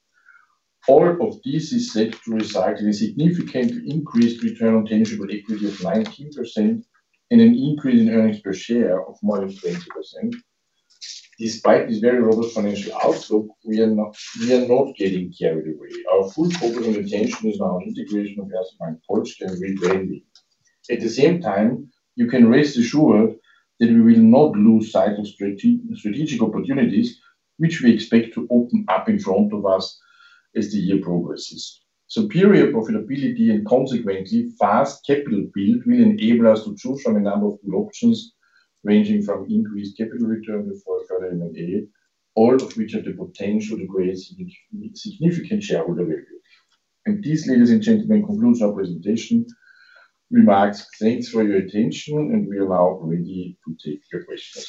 All of this is set to result in a significant increased Return on Tangible Equity of 19% and an increase in earnings per share of more than 20%. Despite this very robust financial outlook, we are not getting carried away. Our full focus and attention is now on integration of Getin Noble Bank rebranding. At the same time, you can rest assured that we will not lose sight of strategic opportunities, which we expect to open up in front of us as the year progresses. Superior profitability and consequently, fast capital build will enable us to choose from a number of good options, ranging from increased capital return before M&A, all of which have the potential to create significant shareholder value. This, ladies and gentlemen, concludes our presentation remarks. Thanks for your attention, and we allow Randy to take your questions.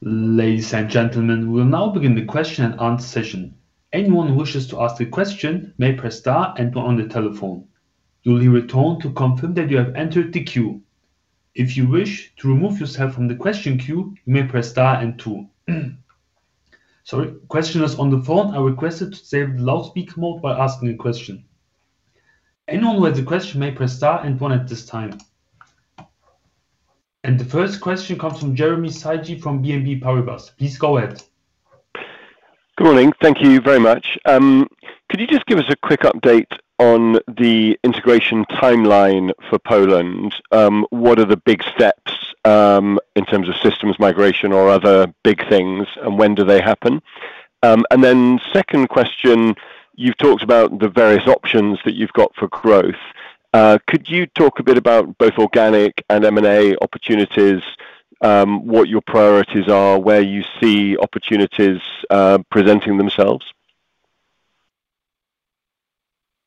Ladies and gentlemen, we'll now begin the question and answer session. Anyone who wishes to ask a question may press star and one on the telephone. You'll hear a tone to confirm that you have entered the queue. If you wish to remove yourself from the question queue, you may press star and two. Sorry, questioners on the phone are requested to disable the loudspeaker mode while asking a question. Anyone with a question may press star and one at this time. The first question comes from Jeremy Sigee from BNP Paribas. Please go ahead. Good morning. Thank you very much. Could you just give us a quick update on the integration timeline for Poland? What are the big steps in terms of systems migration or other big things, and when do they happen? Second question, you've talked about the various options that you've got for growth. Could you talk a bit about both organic and M&A opportunities, what your priorities are, where you see opportunities presenting themselves?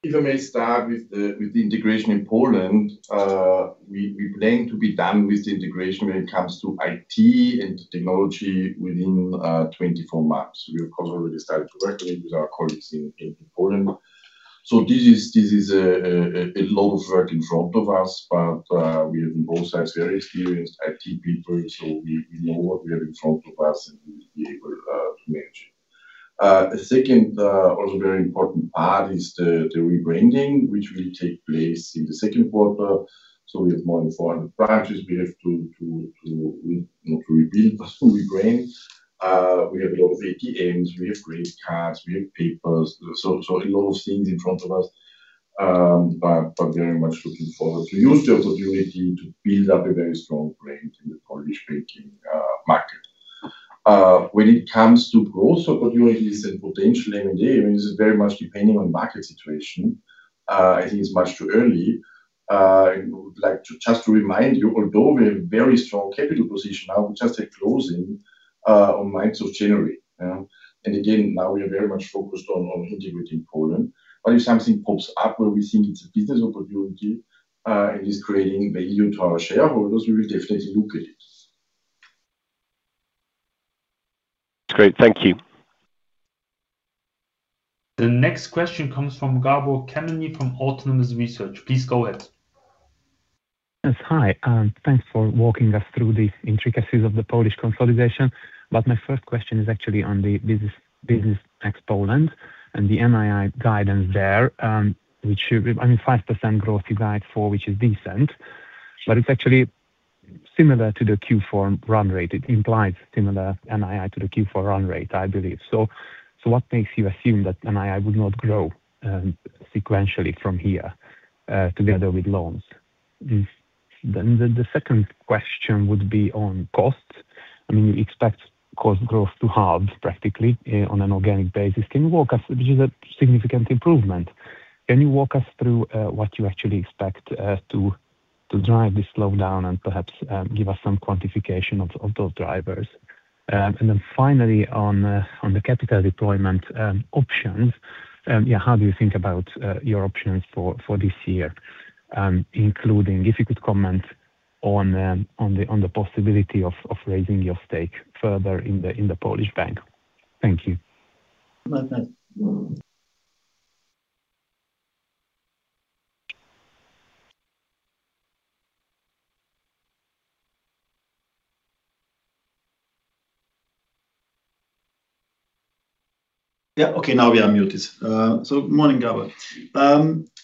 If I may start with the integration in Poland. We plan to be done with the integration when it comes to IT and technology within 24 months. We have, of course, already started to work with it, with our colleagues in Poland. This is a lot of work in front of us, but we have on both sides, very experienced IT people, so we know what we have in front of us and we'll be able to manage. The second, also very important part is the rebranding, which will take place in the second quarter. We have more than 400 branches. We have to not to rebuild, but rebrand. We have a lot of ATMs, we have great cars, we have papers, so a lot of things in front of us. Very much looking forward to use the opportunity to build up a very strong brand in the Polish banking market. When it comes to growth opportunities and potential M&A, this is very much depending on market situation. I think it's much too early. I would like to just to remind you, although we have very strong capital position now, we just take closing on ninth of January. Again, now we are very much focused on integrating Poland. If something pops up where we think it's a business opportunity and is creating value to our shareholders, we will definitely look at it. Great. Thank you. The next question comes from Gabor Kemeny from Autonomous Research. Please go ahead. Yes, hi. Thanks for walking us through the intricacies of the Polish consolidation. My first question is actually on the business next Poland and the NII guidance there, which should be, I mean, 5% growth you guide for, which is decent, but it's actually similar to the Q4 run rate. It implies similar NII to the Q4 run rate, I believe. What makes you assume that NII would not grow sequentially from here, together with loans? The second question would be on costs. I mean, you expect cost growth to halve practically on an organic basis. Which is a significant improvement. Can you walk us through what you actually expect to drive this slowdown and perhaps give us some quantification of those drivers? Then finally on the capital deployment, options, how do you think about your options for this year, including if you could comment on the possibility of raising your stake further in the Polish Bank? Thank you. Well done. Yeah. Okay, now we are muted. Good morning, Gabor.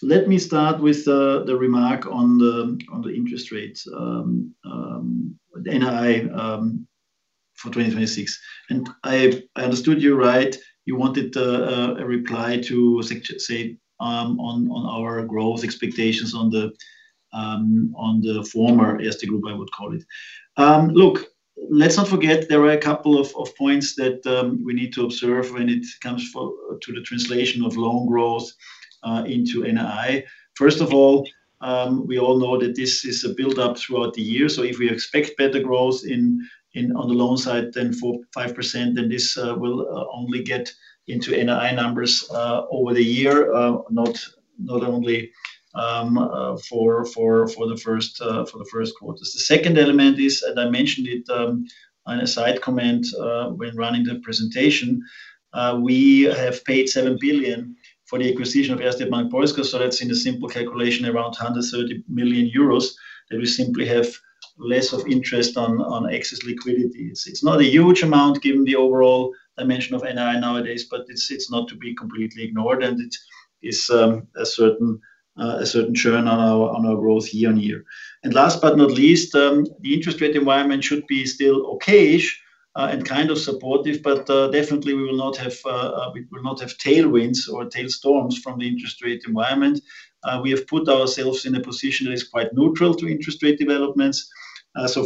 Let me start with the remark on the interest rate. NII for 2026. I understood you right, you wanted a reply to say on our growth expectations on the former Getin Group, I would call it. Look, let's not forget there were a couple of points that we need to observe when it comes to the translation of loan growth into NII. First of all, we all know that this is a build-up throughout the year, so if we expect better growth on the loan side than 4%, 5%, then this will only get into NII numbers over the year, not only for the 1st quarter. The second element is, I mentioned it, on a side comment, when running the presentation, we have paid 7 billion for the acquisition of Erste Bank Polska. That's in a simple calculation, around 130 million euros, that we simply have less of interest on excess liquidity. It's not a huge amount given the overall dimension of NII nowadays, but it's not to be completely ignored, and it is a certain churn on our growth year-on-year. Last but not least, the interest rate environment should be still okay-ish and kind of supportive, definitely we will not have tailwinds or tail storms from the interest rate environment. We have put ourselves in a position that is quite neutral to interest rate developments.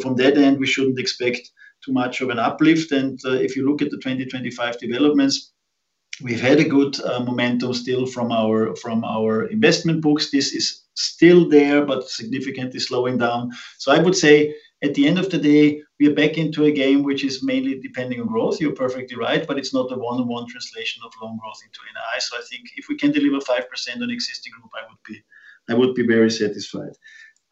from that end, we shouldn't expect too much of an uplift. if you look at the 2025 developments, we've had a good momentum still from our, from our investment books. This is still there, but significantly slowing down. I would say at the end of the day, we are back into a game which is mainly depending on growth. You're perfectly right, but it's not a one-on-one translation of loan growth into NII. I think if we can deliver 5% on existing group, I would be, I would be very satisfied.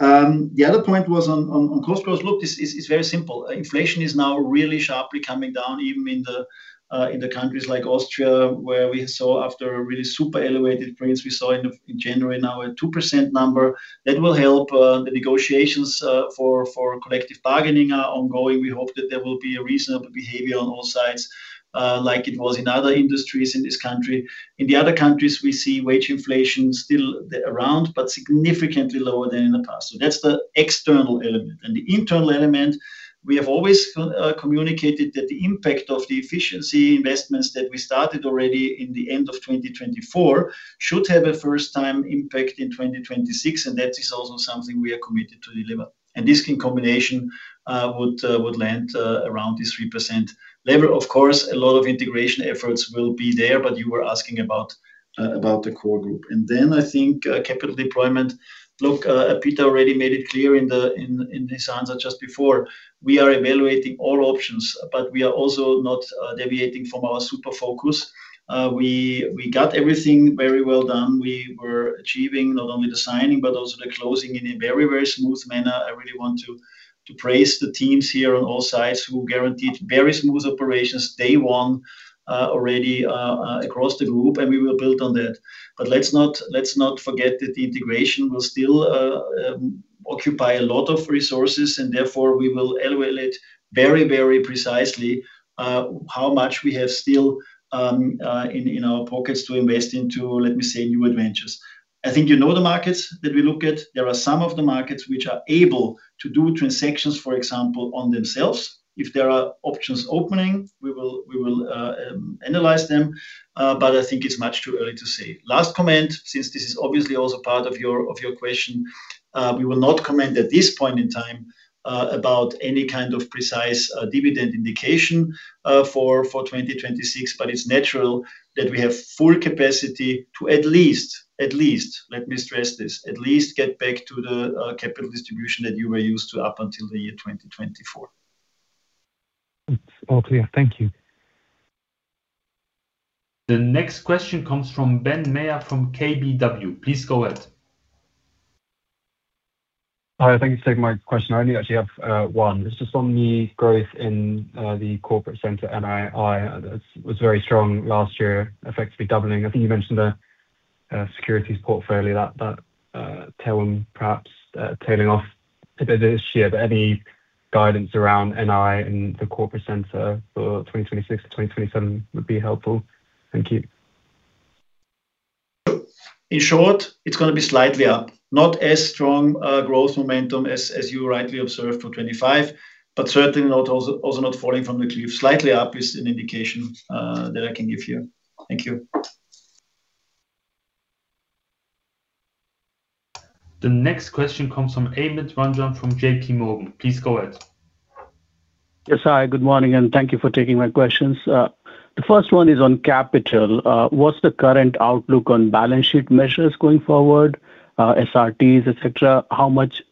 The other point was on cost growth. Look, this is, it's very simple. Inflation is now really sharply coming down, even in the countries like Austria, where we saw after a really super elevated rates, we saw in January, now a 2% number. That will help the negotiations for collective bargaining are ongoing. We hope that there will be a reasonable behavior on all sides, like it was in other industries in this country. In the other countries, we see wage inflation still there around, but significantly lower than in the past. That's the external element. The internal element, we have always communicated that the impact of the efficiency investments that we started already in the end of 2024, should have a first-time impact in 2026, and that is also something we are committed to deliver. This, in combination, would lend, around the 3% level. Of course, a lot of integration efforts will be there, but you were asking about the core group. I think, capital deployment. Look, Peter already made it clear in his answer just before. We are evaluating all options, but we are also not deviating from our super focus. We got everything very well done. We were achieving not only the signing, but also the closing in a very, very smooth manner. I really want to praise the teams here on all sides, who guaranteed very smooth operations day one, already, across the group, and we will build on that. Let's not forget that the integration will still occupy a lot of resources, and therefore we will evaluate very, very precisely how much we have still in our pockets to invest into, let me say, new adventures. The markets that we look at. There are some of the markets which are able to do transactions, for example, on themselves. If there are options opening, we will analyze them. I think it's much too early to say. Last comment, since this is obviously also part of your question. We will not comment at this point in time about any kind of precise dividend indication for 2026, but it's natural that we have full capacity to at least, let me stress this, at least get back to the capital distribution that you were used to up until the year 2024. It's all clear. Thank you. The next question comes from Ben Maher from KBW. Please go ahead. Hi, thank you for taking my question. I only actually have one. It's just on the growth in the corporate center NII. It was very strong last year, effectively doubling. I think you mentioned the securities portfolio that tailwind perhaps tailing off a bit this year, but any guidance around NII and the corporate center for 2026 to 2027 would be helpful. Thank you. In short, it's gonna be slightly up. Not as strong growth momentum as you rightly observed for 2025, but certainly also not falling from the cliff. Slightly up is an indication that I can give you. Thank you. The next question comes from Amit Ranjan from JPMorgan. Please go ahead. Yes, hi, good morning. Thank you for taking my questions. The first one is on capital. What's the current outlook on balance sheet measures going forward, SRTs, et cetera? How much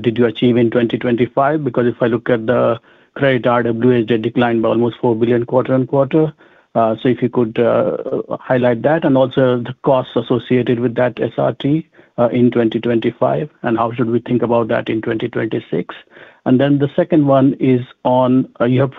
did you achieve in 2025? If I look at the credit RWA, they declined by almost 4 billion quarter-on-quarter. If you could highlight that, and also the costs associated with that SRT in 2025, and how should we think about that in 2026? The second one is on... You have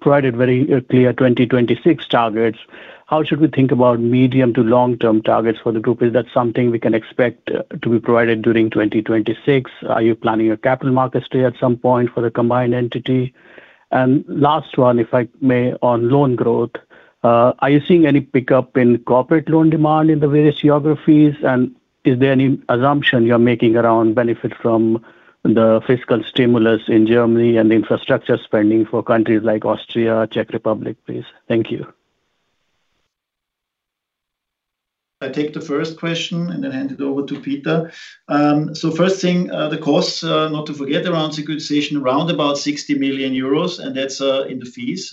provided very clear 2026 targets. How should we think about medium to long-term targets for the group? Is that something we can expect to be provided during 2026? Are you planning a Capital Markets Day at some point for the combined entity? Last one, if I may, on loan growth. Are you seeing any pickup in corporate loan demand in the various geographies? Is there any assumption you're making around benefit from the fiscal stimulus in Germany and infrastructure spending for countries like Austria, Czech Republic, please? Thank you. I take the first question, and then hand it over to Peter. First thing, the costs, not to forget, around securitization, around about 60 million euros. That's in the fees.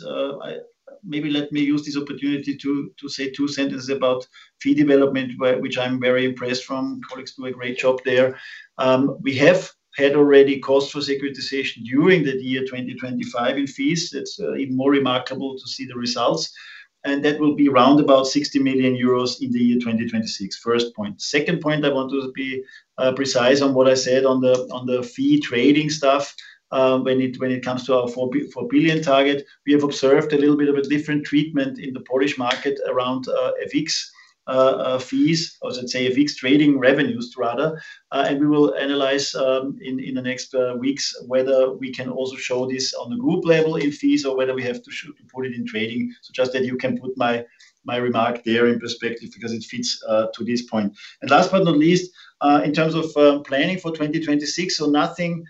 Maybe let me use this opportunity to say two sentences about fee development, by which I'm very impressed from. Colleagues do a great job there. We have had already cost for securitization during the year 2025 in fees. That's even more remarkable to see the results. That will be around about 60 million euros in the year 2026. First point. Second point, I want to be precise on what I said on the fee trading stuff. When it comes to our 4 billion target, we have observed a little bit of a different treatment in the Polish market around FX fees, or I should say, FX trading revenues rather. We will analyze in the next weeks whether we can also show this on the group level in fees or whether we have to put it in trading. Just that you can put my remark there in perspective because it fits to this point. Last but not least, in terms of planning for 2026, nothing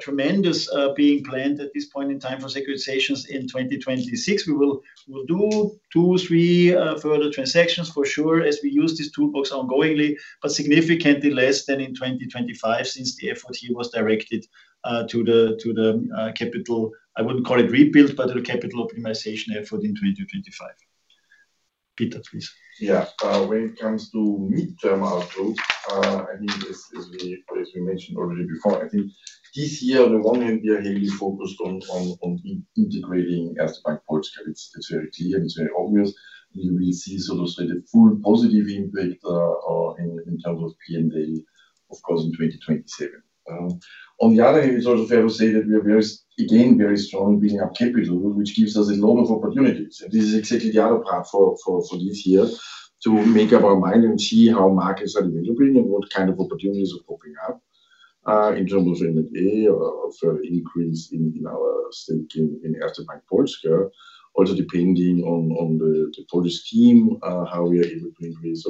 tremendous being planned at this point in time for securitizations in 2026. We will, we'll do two, three, further transactions for sure, as we use this toolbox ongoingly, but significantly less than in 2025, since the effort here was directed, to the capital. I wouldn't call it rebuild, but the capital optimization effort in 2025. Peter, please. When it comes to midterm outlook, I think as we mentioned already before, I think this year, on the one hand, we are highly focused on integrating Santander Bank Polska. It's very clear, and it's very obvious we will see sort of the full positive impact in terms of P&L, of course, in 2027. On the other hand, it's also fair to say that we are very strong building up capital, which gives us a lot of opportunities. This is exactly the other part for this year, to make up our mind and see how markets are developing and what kind of opportunities are popping up in terms of NDA or further increase in our stake in Santander Bank Polska. Depending on the Polish team, how we are able to increase.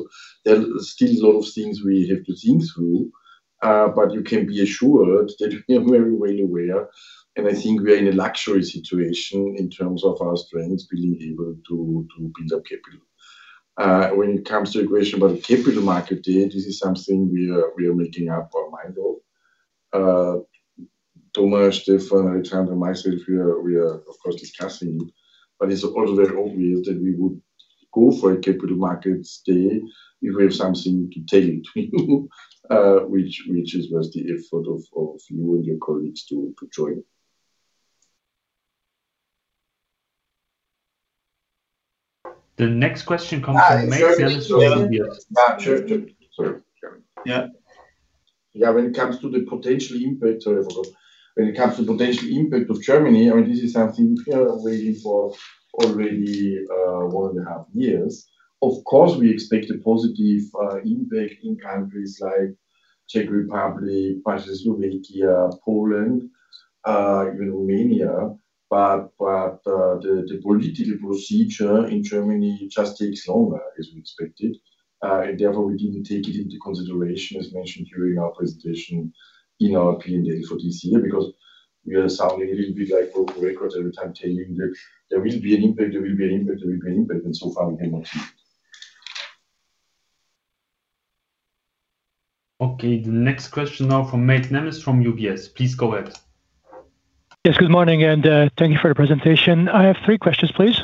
There are still a lot of things we have to think through, but you can be assured that we are very well aware, and I think we are in a luxury situation in terms of our strengths, being able to build up capital. When it comes to the question about the Capital Markets Day, this is something we are making up our mind of. Thomas, Stefan, and myself, we are, of course, discussing, but it's also very obvious that we would go for a Capital Markets Day if we have something to take to you, which is worth the effort of you and your colleagues to join. When it comes to potential impact of Germany, I mean, this is something we are waiting for already, 1.5 years. Of course, we expect a positive impact in countries like Czech Republic, Slovakia, Poland, even Romania, but the political procedure in Germany just takes longer as we expected. Therefore, we didn't take it into consideration, as mentioned during our presentation in our P&L for this year, because we are sounding a little bit like broken records every time, telling you that there will be an impact, and so far we have not seen it. Okay, the next question now from Mate Nemes from UBS. Please go ahead. Good morning, thank you for your presentation. I have 3 questions, please.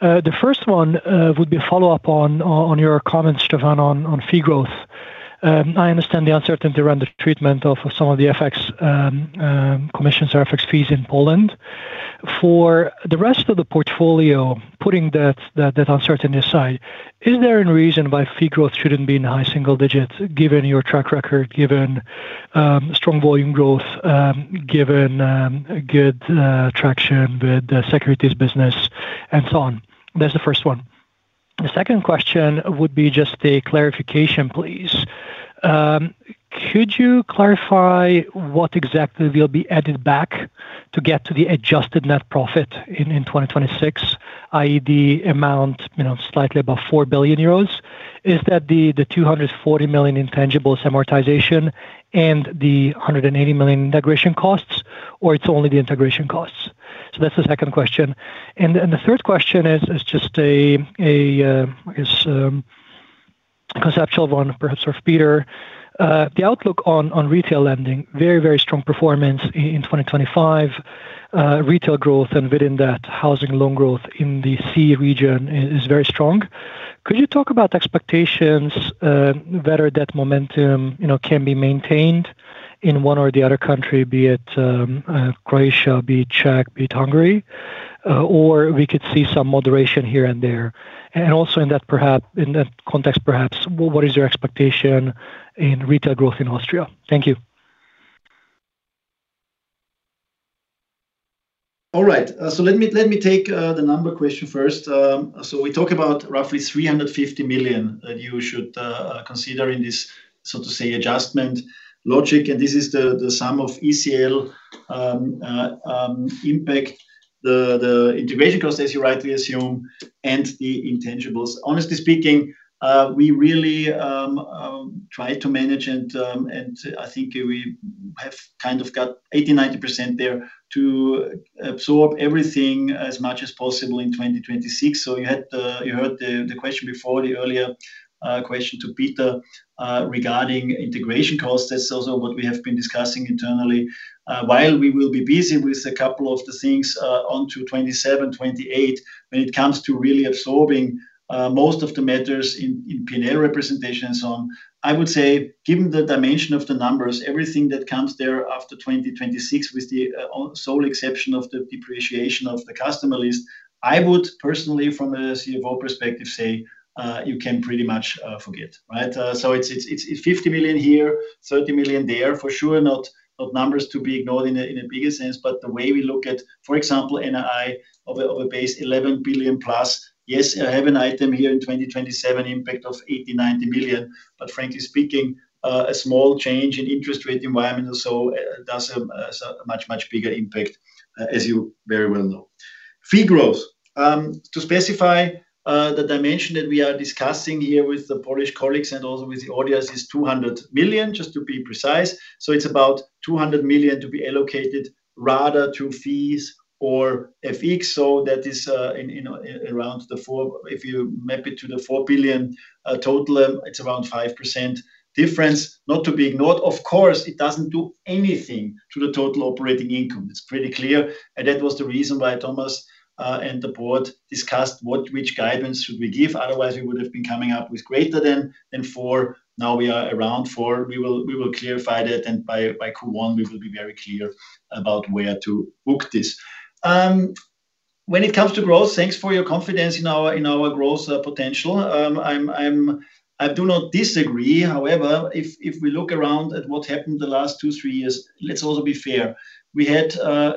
The first one would be a follow-up on your comments, Stefan, on fee growth. I understand the uncertainty around the treatment of some of the FX commissions or FX fees in Poland. For the rest of the portfolio, putting that uncertainty aside, is there any reason why fee growth shouldn't be in high single digits, given your track record, given strong volume growth, given good traction with the securities business and so on? That's the first one. The second question would be just a clarification, please. Could you clarify what exactly will be added back to get to the adjusted net profit in 2026, i.e., the amount slightly above 4 billion euros? Is that the 240 million intangible amortization and the 180 million integration costs, or it's only the integration costs? That's the second question. The third question is just a conceptual one, perhaps for Peter. The outlook on retail lending, very strong performance in 2025. Retail growth and within that, housing loan growth in the CEE region is very strong. Could you talk about expectations, whether that momentum can be maintained in one or the other country, be it Croatia, be it Czech, be it Hungary, or we could see some moderation here and there? Also in that context, perhaps, what is your expectation in retail growth in Austria? Thank you. Let me take the number question first. We talk about roughly 350 million that you should consider in this, so to say, adjustment logic, and this is the sum of ECL impact, the integration costs, as you rightly assume, and the intangibles. Honestly speaking, we really try to manage and I think we have kind of got 80%, 90% there to absorb everything as much as possible in 2026. You heard the question before, the earlier question to Peter regarding integration costs. That's also what we have been discussing internally. While we will be busy with a couple of the things, onto 2027, 2028, when it comes to really absorbing most of the matters in P&L representation and so on, I would say, given the dimension of the numbers, everything that comes there after 2026, with the only sole exception of the depreciation of the customer list, I would personally, from a CFO perspective, say, you can pretty much forget, right? So it's 50 million here, 30 million there, for sure, not numbers to be ignored in a bigger sense, but the way we look at, for example, NII of a base 11 billion+. I have an item here in 2027, impact of 80-90 million. Frankly speaking, a small change in interest rate environment also does have a much, much bigger impact, as you very well know. Fee growth. To specify, the dimension that we are discussing here with the Polish colleagues and also with the audience, is 200 million, just to be precise. It's about 200 million to be allocated rather to fees or FX. That is if you map it to the 4 billion total, it's around 5% difference. Not to be ignored, of course, it doesn't do anything to the total operating income. It's pretty clear. That was the reason why Thomas and the board discussed which guidance should we give? Otherwise, we would have been coming up with greater than four. Now we are around four. We will clarify that. By Q1, we will be very clear about where to book this. When it comes to growth, thanks for your confidence in our growth potential. I do not disagree. If we look around at what happened the last two, three years, let's also be fair. We had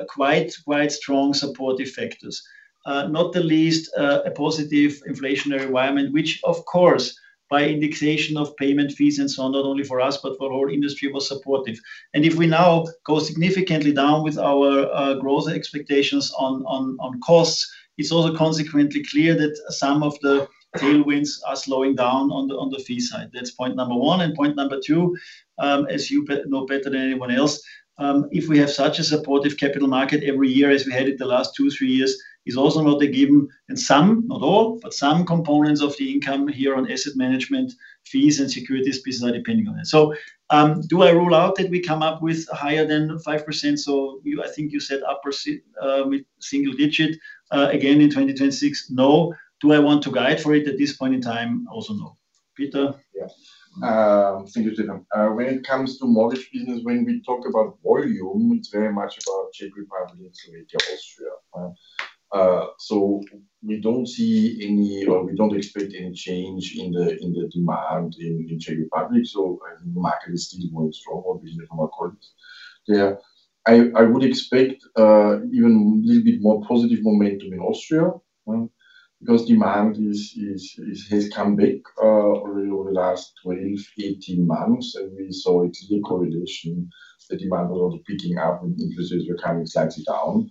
quite strong supportive factors. Not the least, a positive inflationary environment, which of course, by indication of payment fees and so on, not only for us, but for whole industry, was supportive. If we now go significantly down with our growth expectations on costs, it's also consequently clear that some of the tailwinds are slowing down on the fee side. That's point number one. Point number two, as you know better than anyone else, if we have such a supportive capital market every year as we had it the last 2, 3 years, it's also not a given. Some, not all, but some components of the income here on asset management fees and securities business are depending on it. Do I rule out that we come up with higher than 5%? You said upper with single digit again, in 2026. No. Do I want to guide for it at this point in time? Also, no. Peter? Thank you, Stefan. When it comes to mortgage business, when we talk about volume, it's very much about Czech Republic, Slovakia, Austria. We don't expect any change in the demand in the Czech Republic, the market is still going strong between the commercial colleagues. I would expect even a little bit more positive momentum in Austria, right? Because demand is has come back really over the last 12, 18 months, and we saw it clear correlation, the demand a lot of picking up and increases were coming slightly down.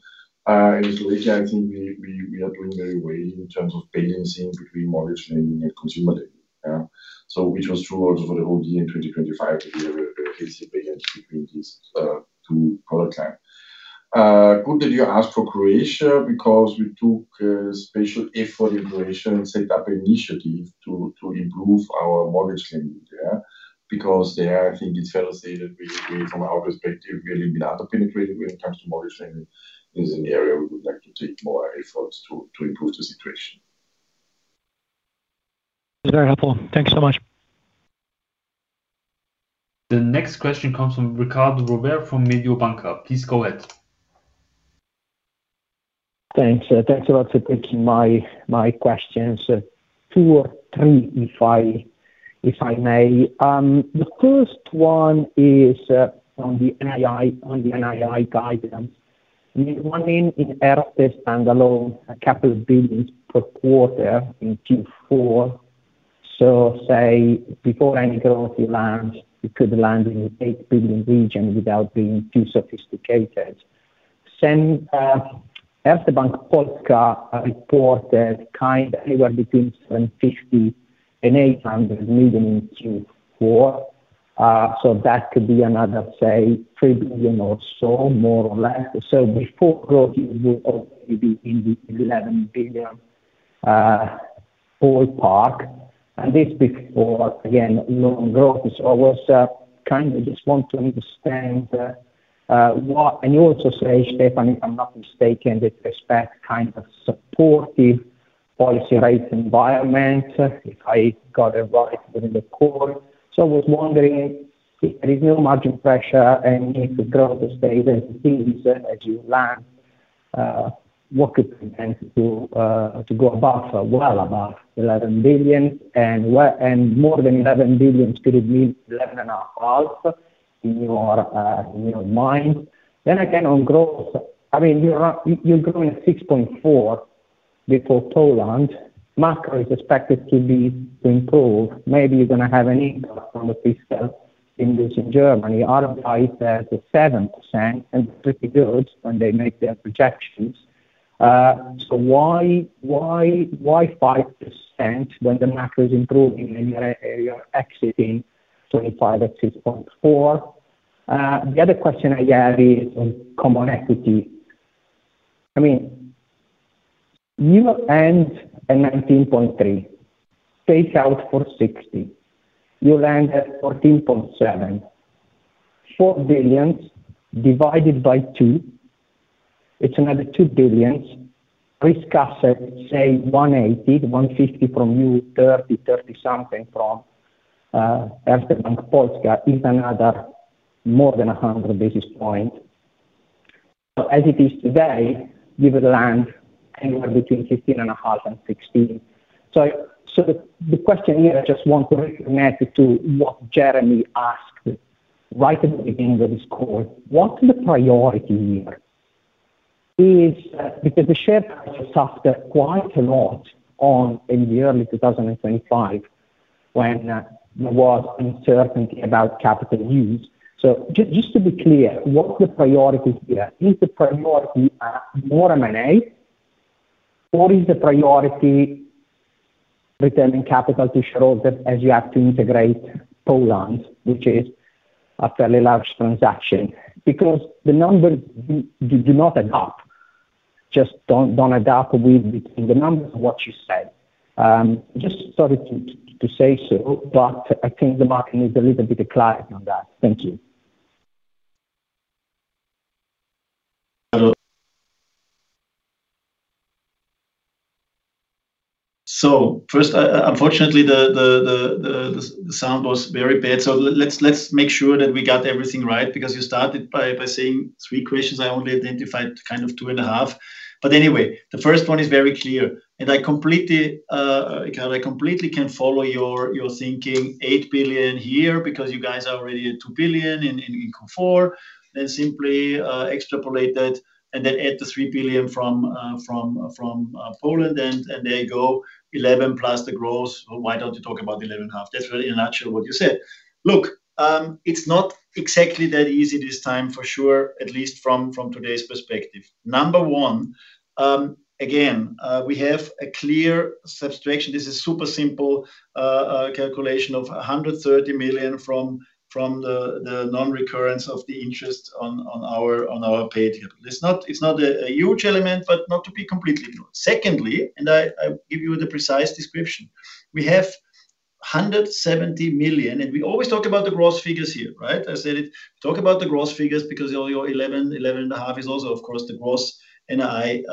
In Slovakia, I think we are doing very well in terms of balancing between mortgage lending and consumer lending. Which was true also for the whole year in 2025. We have a very clear balance between these two product line. Good that you asked for Croatia, because we took special effort in Croatia and set up an initiative to improve our mortgage lending there. There, I think it's fair to say that we, from our perspective, we live in under penetrated when it comes to mortgage lending. It is an area we would like to take more efforts to improve the situation. Very helpful. Thank you so much. The next question comes from Riccardo Rovere from Mediobanca. Please go ahead. Thanks. Thanks a lot for taking my questions. Two or three, if I may. The first one is on the NII guidance. 1 in standalone, a capital billions per quarter in Q4. Say before any growth you launch, you could land in the 8 billion region without being too sophisticated. After Erste Bank Polska reported anywhere between 750 million to 800 million in Q4. That could be another, say, 3 billion or so, more or less. Before growth, it would maybe in the 11 billion ball park, and this before, again, loan growth is always just want to understand. And you also say, Stefan, if I'm not mistaken, with respect supportive policy rate environment, if I got it right in the call. I was wondering, if there is no margin pressure, and if the growth stays as it is, as you learn, what could be done to go above, well above 11 billion? More than 11 billion could mean 11.5 billion in your mind. Again, on growth, I mean, you're growing at 6.4% before Poland. Macro is expected to be improved. Maybe you're gonna have an impact on the fiscal in Germany. RPI there is at 7% and pretty good when they make their projections why 5% when the macro is improving and you are exiting 25 at 6.4%? The other question I have is on common equity. I mean, you end at 19.3%, take out 460, you land at 14.7%. 4 billion divided by two, it's another 2 billion. Risk assets, say, 180, 150 from you, 30 something from, is another more than 100 basis points. As it is today, you would land anywhere between 15.5% and 16%. The question here, I just want to remat to what Jeremy Sigee asked right at the beginning of this call: What's the priority here? Is, because the share price has suffered quite a lot in the early 2025 when there was uncertainty about capital use. Just to be clear, what's the priority here? Is the priority, more M&A, or is the priority returning capital to shareholders as you have to integrate Poland, which is a fairly large transaction? The numbers do not add up. Don't add up with the numbers of what you said. Just sorry to say so, but I think the market needs a little bit of clarity on that. Thank you. First, unfortunately, the sound was very bad, let's make sure that we got everything right, because you started by saying three questions. I only identified kind of 2.5 billion. Anyway, the first one is very clear, and I can completely follow your thinking 8 billion here, because you guys are already at 2 billion in Q4, simply extrapolate that and then add the 3 billion from Poland, and there you go, 11 billion+ the growth. Why don't you talk about 11.5 billion? That's really in a nutshell what you said. Look, it's not exactly that easy this time for sure, at least from today's perspective. Number one, again, we have a clear subtraction. This is super simple calculation of 130 million from the non-recurrence of the interest on our pay deal. It's not a huge element, but not to be completely ignored. Secondly, I give you the precise description. We have 170 million, we always talk about the gross figures here, right? I said it. Talk about the gross figures because your 11%, 11.5% is also, of course, the gross NII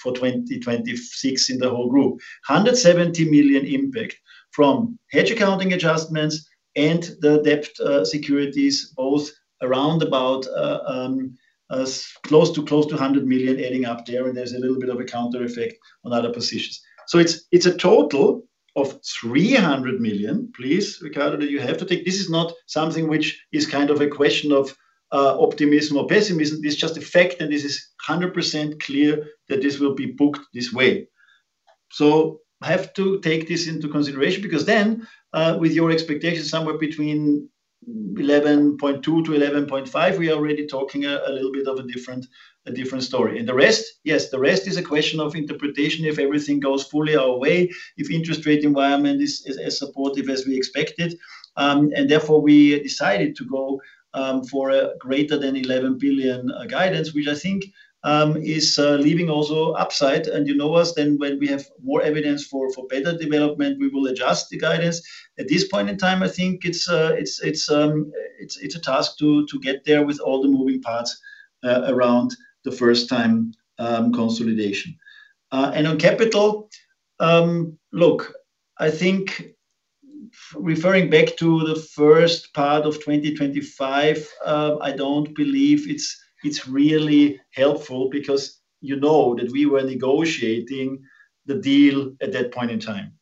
for 2026 in the whole group. 170 million impact from hedge accounting adjustments and the debt securities, both around about close to 100 million adding up there's a little bit of a counter effect on other positions. It's a total of 300 million. Please, Ricardo, you have to take. This is not something which is kind of a question of optimism or pessimism. It's just a fact that this is 100% clear that this will be booked this way. I have to take this into consideration because then, with your expectations, somewhere between 11.2 billion to 11.5 billion, we are already talking a little bit of a different story. The rest? Yes, the rest is a question of interpretation, if everything goes fully our way, if interest rate environment is as supportive as we expected, and therefore, we decided to go for a greater than 11 billion guidance, which I think is leaving also upside. You know us, then when we have more evidence for better development, we will adjust the guidance. At this point in time it's a task to get there with all the moving parts around the first time consolidation. On capital, look, I think referring back to the first part of 2025, I don't believe it's really helpful because that we were negotiating the deal at that point in time.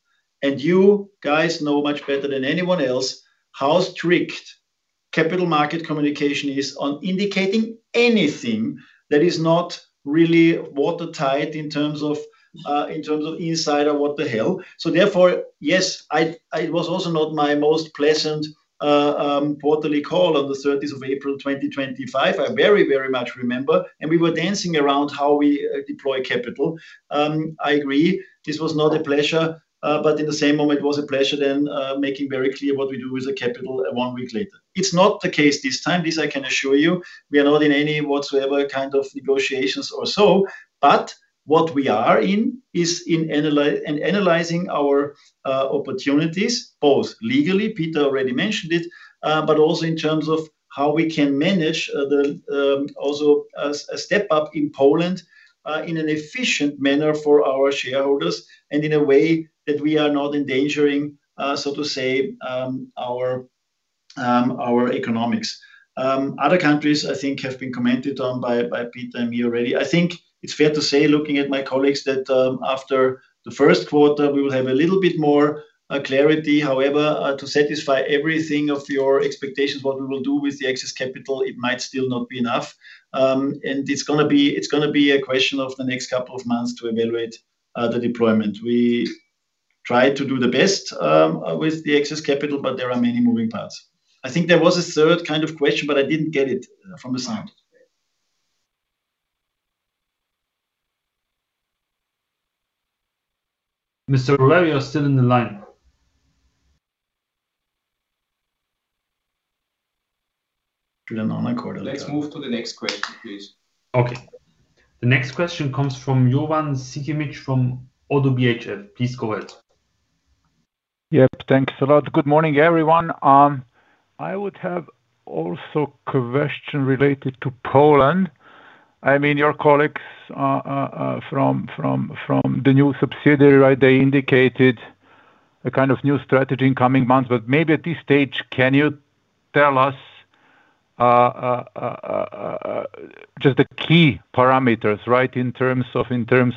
You guys know much better than anyone else, how strict capital market communication is on indicating anything that is not really watertight in terms of insider, what the hell? Therefore, yes, it was also not my most pleasant quarterly call on the 13th of April 2025. I very, very much remember, and we were dancing around how we deploy capital. I agree this was not a pleasure, but at the same moment, it was a pleasure then, making very clear what we do with the capital one week later. It's not the case this time, this I can assure you. We are not in any whatsoever kind of negotiations or so, but what we are in is in analyzing our opportunities, both legally, Peter already mentioned it, but also in terms of how we can manage the, also a step up in Poland, in an efficient manner for our shareholders and in a way that we are not endangering, so to say, our economics. Other countries, I think, have been commented on by Peter and me already. I think it's fair to say, looking at my colleagues, that, after the first quarter, we will have a little bit more clarity. To satisfy everything of your expectations, what we will do with the excess capital, it might still not be enough. It's gonna be a question of the next couple of months to evaluate the deployment try to do the best with the excess capital, but there are many moving parts. I think there was a third kind of question, but I didn't get it from the sound. Mr. Rovere, you're still in the line. Let's move to the next question, please. Okay. The next question comes from Jovan Sikimic from ODDO BHF. Please go ahead. Yep. Thanks a lot. Good morning, everyone. I would have also question related to Poland. I mean, your colleagues from the new subsidiary, right? They indicated a kind of new strategy in coming months, but maybe at this stage, can you tell us just the key parameters, right? In terms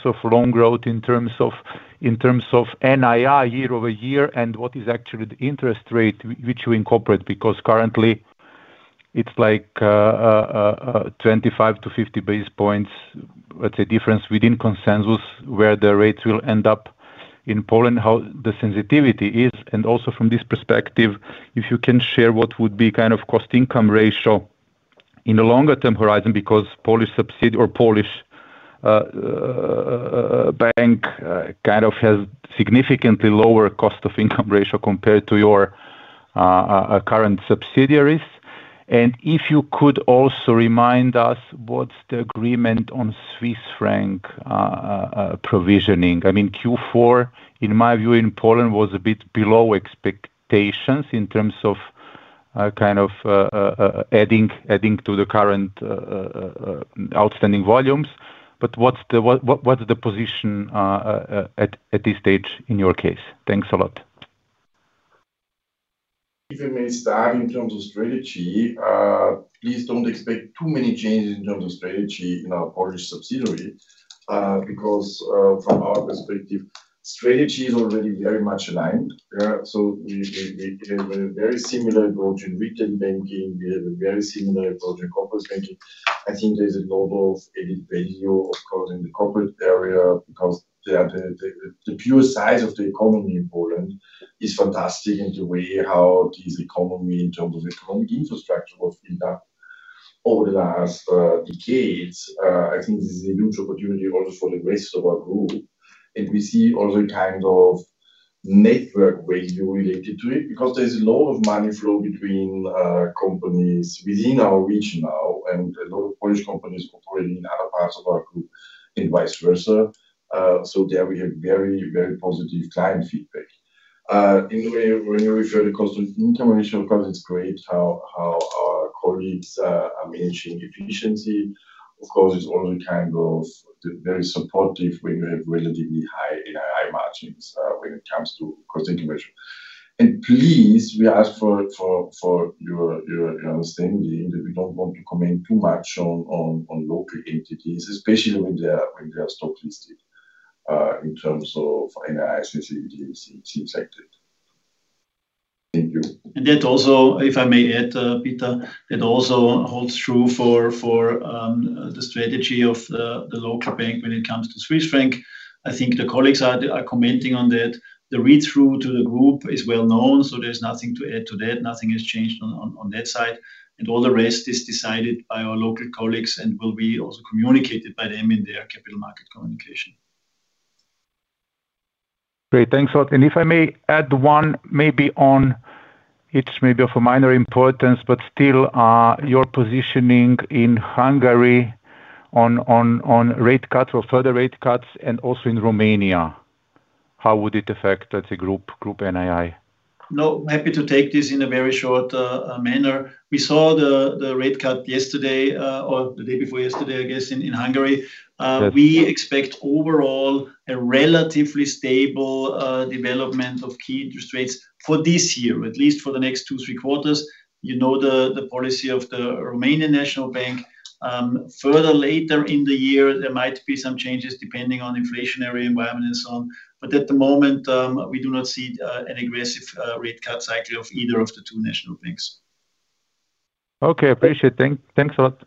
of loan growth, in terms of NII year-over-year, and what is actually the interest rate which you incorporate? Because currently it's like 25-50 basis points, let's say, difference within consensus, where the rates will end up in Poland, how the sensitivity is? From this perspective, if you can share what the cost-income ratio would be in the longer term horizon, because Polish subsidiary or Polish bank has a significantly lower cost-income ratio compared to your current subsidiaries. If you could also remind us what the agreement is on Swiss franc provisioning. I mean, Q4, in my view, in Poland, was a bit below expectations in terms of adding to the current outstanding volumes. What's the position at this stage in your case? Thanks a lot. In terms of strategy, please don't expect too many changes in terms of strategy in our Polish subsidiary, because from our perspective, strategy is already very much aligned. We have a very similar approach in retail banking. We have a very similar approach in corporate banking. I think there's a lot of added value, of course, in the corporate area, because the pure size of the economy in Poland is fantastic, and the way how this economy, in terms of economic infrastructure, was built up over the last decades. I think this is a huge opportunity also for the rest of our group, and we see also a network value related to it, because there's a lot of money flow between companies within our region now, and a lot of Polish companies operating in other parts of our group and vice versa. There we have very, very positive client feedback. In the way, when you refer to cost integration, of course, it's great how our colleagues are managing efficiency. Of course, it's also very supportive when you have relatively high NII margins when it comes to cost integration. Please, we ask for your understanding that we don't want to comment too much on local entities, especially when they are, when they are stock listed, in terms of NII sensitivity, things like that. Thank you. That also, if I may add, Peter, that also holds true for the strategy of the local bank when it comes to Swiss franc. I think the colleagues are commenting on that. The read-through to the group is well known, so there's nothing to add to that. Nothing has changed on that side, and all the rest is decided by our local colleagues and will be also communicated by them in their capital market communication. Great. Thanks a lot. If I may add one, maybe it's maybe of a minor importance, but still, your positioning in Hungary on rate cuts or further rate cuts and also in Romania, how would it affect, let's say, Group NII? No, happy to take this in a very short manner. We saw the rate cut yesterday, or the day before yesterday in Hungary. We expect overall a relatively stable development of key interest rates for this year, at least for the next 2, 3 quarters. The policy of the National Bank of Romania, further later in the year, there might be some changes depending on the inflationary environment and so on. At the moment, we do not see an aggressive rate cut cycle of either of the two national banks. Okay, appreciate. Thanks a lot.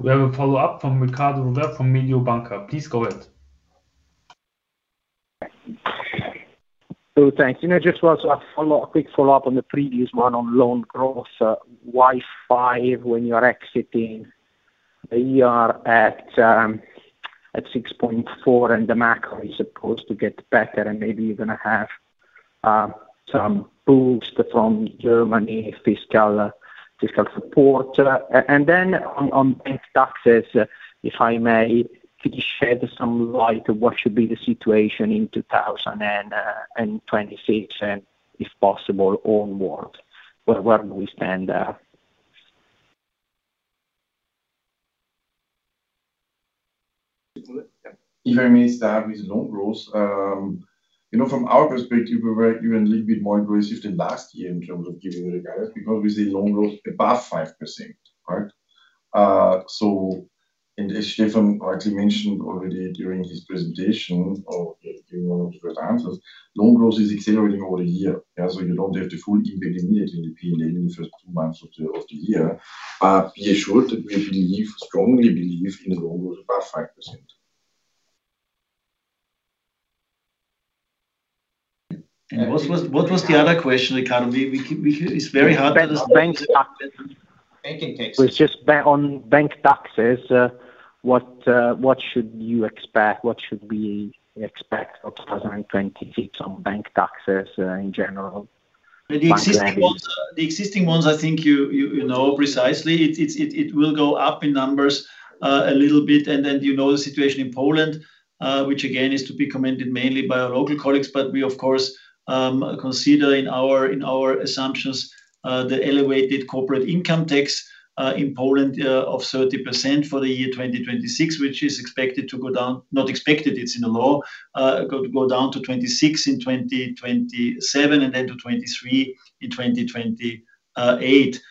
We have a follow-up from Riccardo Rovere from Mediobanca. Please go ahead. Thanks. Just well, a follow-up, a quick follow-up on the previous one on loan growth. Why 5% when you are exiting a year at 6.4%, and the macro is supposed to get better, and maybe you're gonna have some boost from Germany fiscal support? Then on bank taxes, if I may, could you shed some light on what the situation should be in 2026, and if possible, onward, where do we stand? If I may start with loan growth from our perspective, we were even a little bit more aggressive than last year in terms of giving you the guidance, because we see loan growth above 5%, right? as Stefan actually mentioned already during his presentation, or during one of the first answers, loan growth is accelerating over the year. you don't have the full impact immediately in the P&L in the first two months of the year. be assured that we believe, strongly believe in loan growth above 5%. What was the other question, Riccardo? We It's very hard. Bank taxes. Was just on bank taxes. What, what should you expect? What should we expect of 2026 on bank taxes, in general? The existing ones, precisely. It will go up in numbers a little bit. Then the situation in Poland, which again, is to be commented mainly by our local colleagues. We, of course, consider in our assumptions the elevated corporate income tax in Poland of 30% for the year 2026, which is expected to go down. Not expected, it's in the law. To go down to 26% in 2027, and then to 23% in 2028.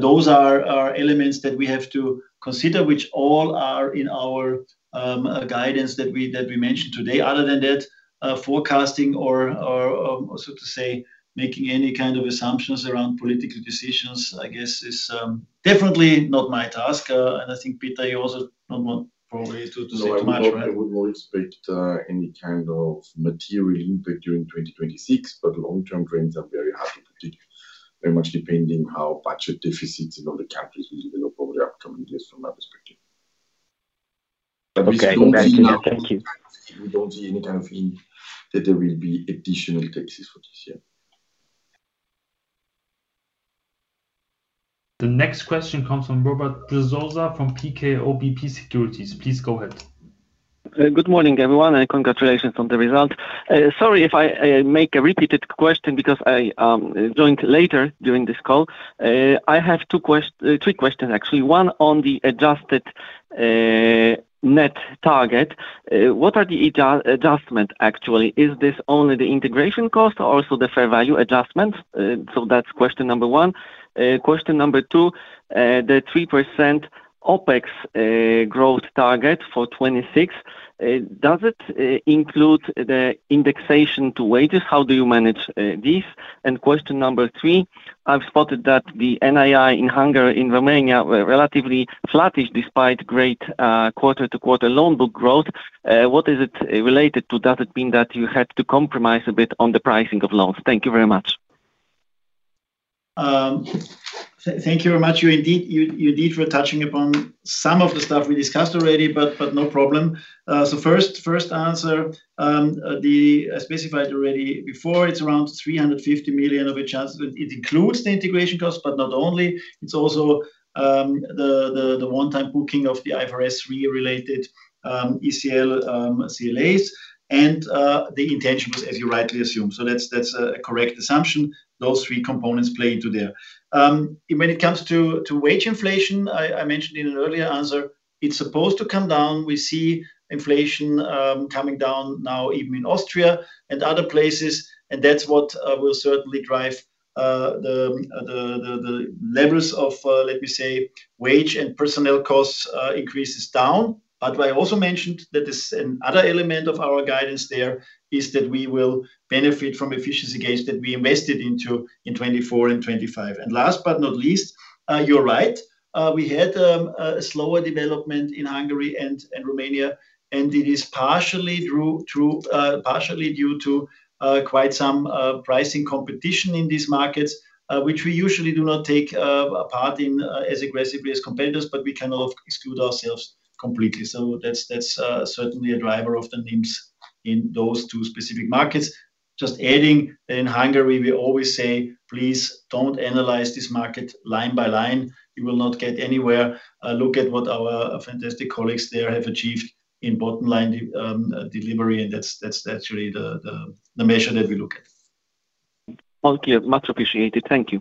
Those are elements that we have to consider, which all are in our guidance that we mentioned today. Other than that, forecasting or, so to say, making any assumptions around political decisions, I guess is, definitely not my task. I think, Peter, you also probably do not want to say too much, right? I would not expect any material impact during 2026, but long-term trends are very hard to predict, very much depending how budget deficits in other countries will develop over the upcoming years from my perspective. Okay. Thank you. We don't see any kind of thing that there will be additional taxes for this year. The next question comes from Robert Brzoza from PKO BP Securities. Please go ahead. Good morning, everyone, congratulations on the result. Sorry if I make a repeated question because I joined later during this call. I have three questions, actually. One, on the adjusted net target. What are the adjustment, actually? Is this only the integration cost or also the fair value adjustments? That's question number one. Question number two, the 3% OpEx growth target for 2026, does it include the indexation to wages? How do you manage this? Question number three, I've spotted that the NII in Hungary and Romania were relatively flattish, despite great quarter-to-quarter loan book growth. What is it related to? Does it mean that you had to compromise a bit on the pricing of loans? Thank you very much. Thank you very much. You indeed, you indeed were touching upon some of the stuff we discussed already, but no problem. First, first answer, as specified already before, it's around 350 million, of which as it includes the integration costs, but not only. It's also the one-time booking of the IFRS 3 related ECL, ECLs, and the intention, as you rightly assume. That's, that's a correct assumption. Those three components play into there. When it comes to wage inflation, I mentioned in an earlier answer, it's supposed to come down. We see inflation coming down now, even in Austria and other places, and that's what will certainly drive the levels of, let me say, wage and personnel costs increases down. I also mentioned that is another element of our guidance there, is that we will benefit from efficiency gains that we invested into in 2024 and 2025. Last but not least, you're right, we had a slower development in Hungary and Romania, and it is partially due to quite some pricing competition in these markets, which we usually do not take a part in as aggressively as competitors, but we cannot exclude ourselves completely. That's certainly a driver of the NIMs in those two specific markets. Just adding, in Hungary, we always say, "Please don't analyze this market line by line. You will not get anywhere." Look at what our fantastic colleagues there have achieved in bottom line delivery. That's really the measure that we look at. Okay. Much appreciated. Thank you.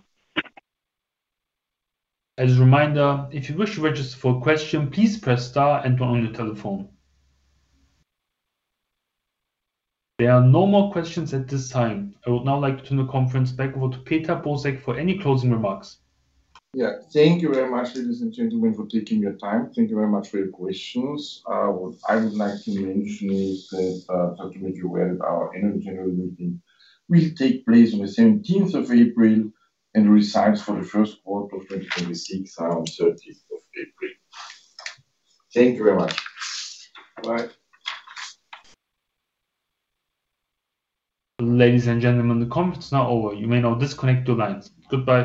As a reminder, if you wish to register for a question, please press star and one on your telephone. There are no more questions at this time. I would now like to turn the conference back over to Peter Bosek for any closing remarks. Yeah. Thank you very much, ladies and gentlemen, for taking your time. Thank you very much for your questions. What I would like to mention is that, to make you aware that our annual general meeting will take place on the 17th of April. Results for the 1st quarter of 2026 are on 30th of April. Thank you very much. Bye. Ladies and gentlemen, the conference is now over. You may now disconnect your lines. Goodbye.